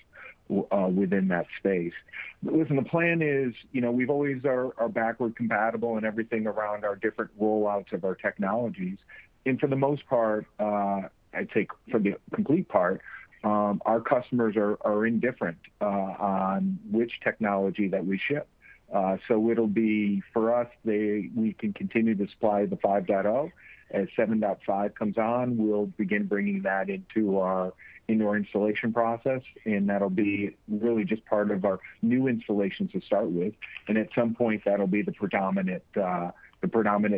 within that space. Listen, the plan is we always are backward compatible and everything around our different rollouts of our technologies. For the most part, I'd say for the complete part, our customers are indifferent on which technology that we ship. It'll be, for us, we can continue to supply the 5.0. As 7.5 comes on, we'll begin bringing that into our installation process, and that'll be really just part of our new installations to start with. At some point, that'll be the predominant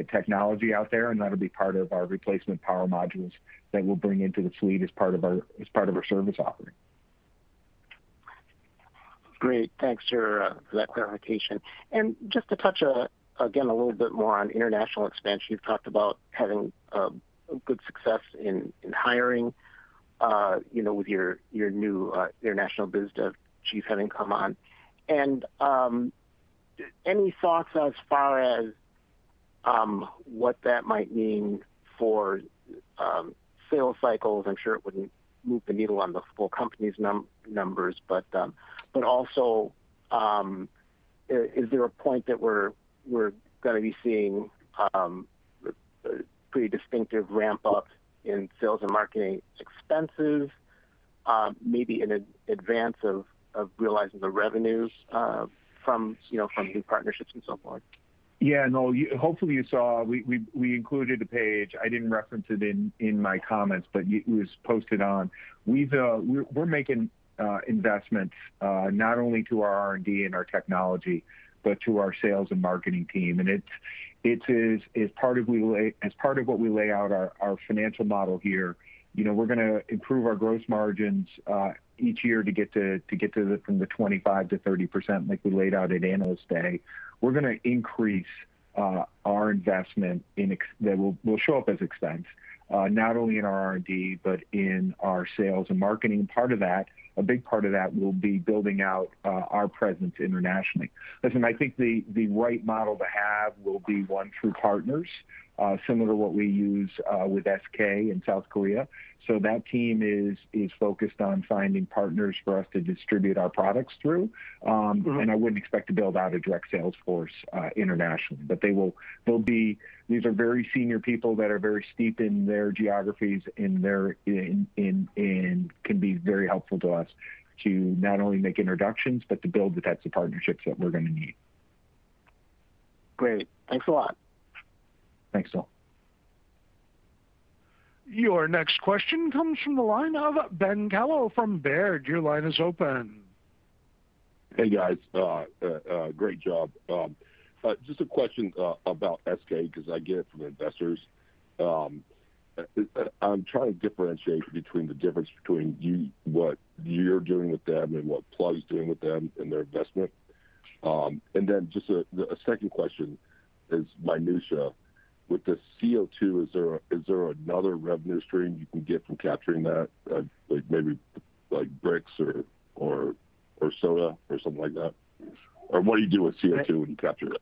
technology out there, and that'll be part of our replacement power modules that we'll bring into the fleet as part of our service offering. Great, thanks for that clarification. Just to touch, again, a little bit more on international expansion. You've talked about having good success in hiring with your new international business chief having come on. Any thoughts as far as what that might mean for sales cycles? I'm sure it wouldn't move the needle on the full company's numbers. Also, is there a point that we're going to be seeing a pretty distinctive ramp-up in sales and marketing expenses? Maybe in advance of realizing the revenues from new partnerships and so forth. No. Hopefully you saw, we included a page, I didn't reference it in my comments, but it was posted on. We're making investments, not only to our R&D and our technology, but to our sales and marketing team. As part of what we lay out our financial model here, we're going to improve our gross margins each year to get to from the 25%-30%, like we laid out at Analyst Day. We're going to increase our investment, that will show up as expense, not only in our R&D, but in our sales and marketing. A big part of that will be building out our presence internationally. Listen, I think the right model to have will be one through partners, similar to what we use with SK in South Korea. That team is focused on finding partners for us to distribute our products through. I wouldn't expect to build out a direct sales force internationally. These are very senior people that are very steeped in their geographies and can be very helpful to us to not only make introductions, but to build the types of partnerships that we're going to need. Great. Thanks a lot. Thanks. Your next question comes from the line of Ben Kallo from Baird. Your line is open. Hey, guys. Great job. Just a question about SK, because I get it from investors. I'm trying to differentiate between the difference between what you're doing with them and what Plug's doing with them and their investment. Just a second question is minutia. With the CO2, is there another revenue stream you can get from capturing that? Like maybe bricks or soda or something like that? What do you do with CO2 when you capture it?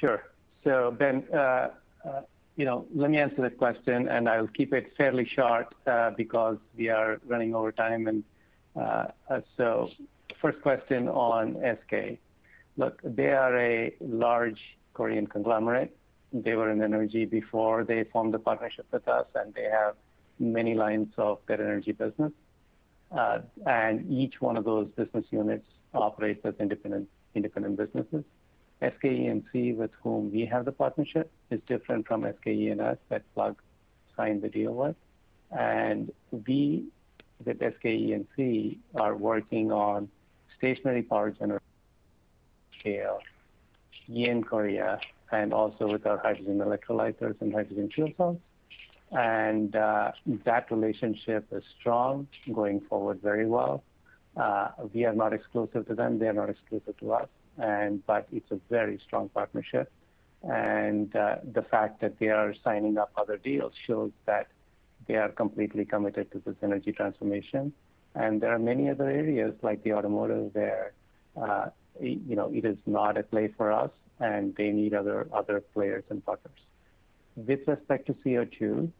Sure. So Ben, let me answer that question and I'll keep it fairly short, because we are running over time. First question on SK. Look, they are a large Korean conglomerate. They were in energy before they formed a partnership with us, and they have many lines of their energy business. And each one of those business units operates as independent businesses. SK E&C, with whom we have the partnership, is different from SK E&S that Plug signed the deal with. We, with SK E&C, are working on stationary power generator scale here in Korea, and also with our hydrogen electrolyzers and hydrogen fuel cells. And that relationship is strong, going forward very well. We are not exclusive to them, they are not exclusive to us, but it's a very strong partnership. The fact that they are signing up other deals shows that they are completely committed to this energy transformation. There are many other areas like the automotive where it is not a play for us and they need other players and partners. With respect to CO2,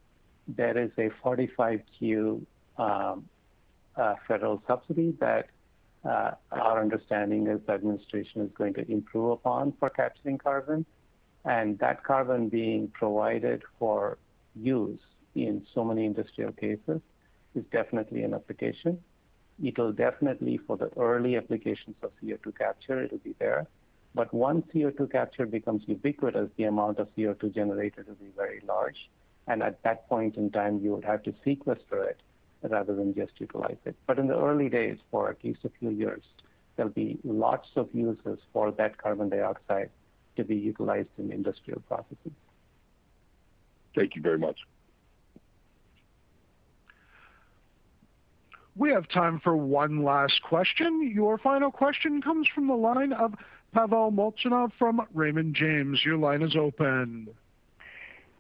there is a 45Q federal subsidy that our understanding is the administration is going to improve upon for capturing carbon. That carbon being provided for use in so many industrial cases is definitely an application. It'll definitely, for the early applications of CO2 capture, it'll be there. Once CO2 capture becomes ubiquitous, the amount of CO2 generated will be very large. At that point in time, you would have to sequester it rather than just utilize it. In the early days, for at least a few years, there'll be lots of uses for that carbon dioxide to be utilized in industrial processes. Thank you very much. We have time for one last question. Your final question comes from the line of Pavel Molchanov from Raymond James. Your line is open.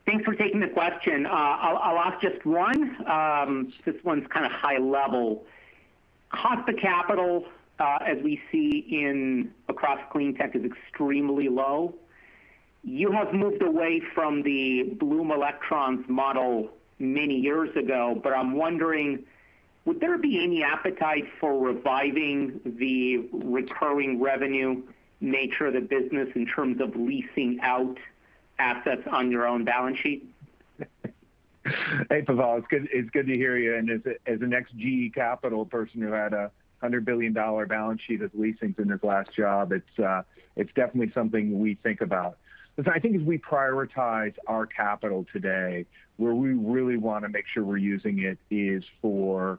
Thanks for taking the question. I'll ask just one. This one's kind of high level. Cost of capital, as we see across clean tech, is extremely low. You have moved away from the Bloom Electrons model many years ago. I'm wondering, would there be any appetite for reviving the recurring revenue nature of the business in terms of leasing out assets on your own balance sheet? Hey, Pavel. It's good to hear you. As an ex-GE Capital person who had a $100 billion balance sheet of leasing in his last job, it's definitely something we think about. Listen, I think as we prioritize our capital today, where we really want to make sure we're using it is for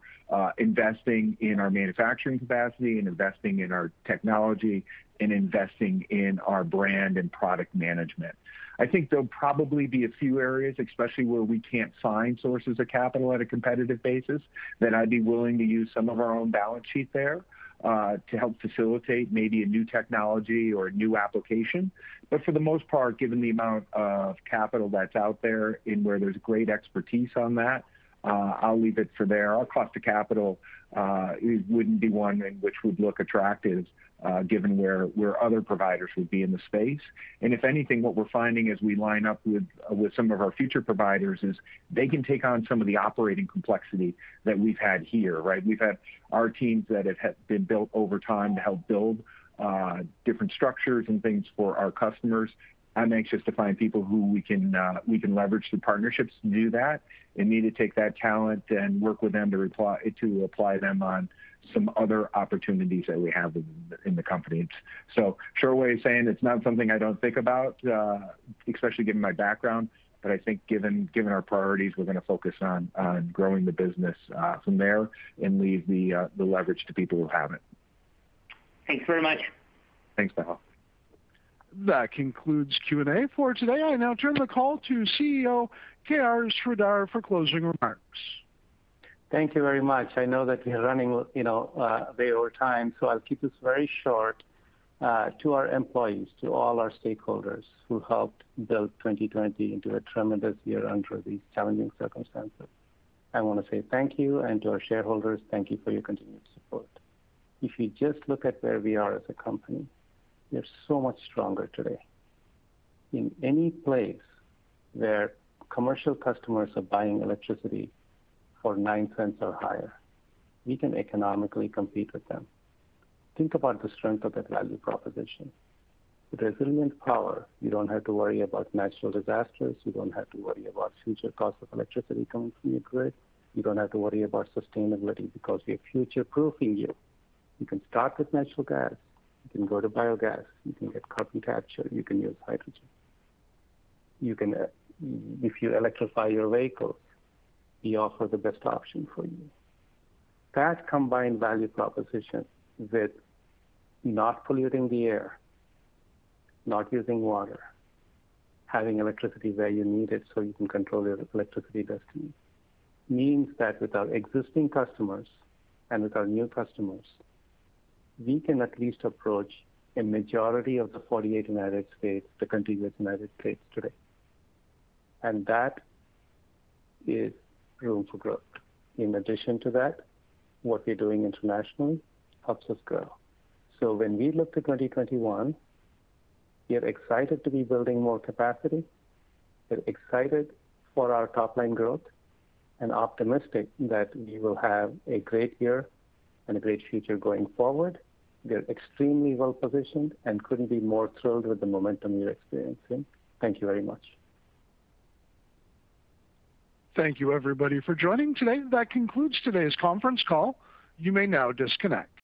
investing in our manufacturing capacity and investing in our technology and investing in our brand and product management. I think there'll probably be a few areas, especially where we can't find sources of capital at a competitive basis, that I'd be willing to use some of our own balance sheet there, to help facilitate maybe a new technology or a new application. For the most part, given the amount of capital that's out there and where there's great expertise on that, I'll leave it for there. Our cost of capital wouldn't be one in which would look attractive, given where other providers would be in the space. If anything, what we're finding as we line up with some of our future providers is they can take on some of the operating complexity that we've had here, right? We've had our teams that have been built over time to help build different structures and things for our customers. I'm anxious to find people who we can leverage the partnerships to do that, and need to take that talent and work with them to apply them on some other opportunities that we have in the company. Sure way of saying it's not something I don't think about, especially given my background. I think given our priorities, we're going to focus on growing the business from there and leave the leverage to people who have it. Thanks very much. Thanks, Michael. That concludes Q&A for today. I now turn the call to CEO, K.R. Sridhar, for closing remarks. Thank you very much. I know that we're running way over time. I'll keep this very short. To our employees, to all our stakeholders who helped build 2020 into a tremendous year under these challenging circumstances, I want to say thank you. To our shareholders, thank you for your continued support. If you just look at where we are as a company, we are so much stronger today. In any place where commercial customers are buying electricity for $0.09 or higher, we can economically compete with them. Think about the strength of that value proposition. With resilient power, you don't have to worry about natural disasters. You don't have to worry about future costs of electricity coming from your grid. You don't have to worry about sustainability because we are future-proofing you. You can start with natural gas. You can go to biogas. You can get carbon capture. You can use hydrogen. If you electrify your vehicles, we offer the best option for you. That combined value proposition with not polluting the air, not using water, having electricity where you need it so you can control your electricity destiny, means that with our existing customers and with our new customers, we can at least approach a majority of the 48 contiguous U.S. today. That is room for growth. In addition to that, what we're doing internationally helps us grow. When we look to 2021, we are excited to be building more capacity. We're excited for our top-line growth and optimistic that we will have a great year and a great future going forward. We are extremely well-positioned and couldn't be more thrilled with the momentum we are experiencing. Thank you very much. Thank you everybody for joining today. That concludes today's conference call. You may now disconnect.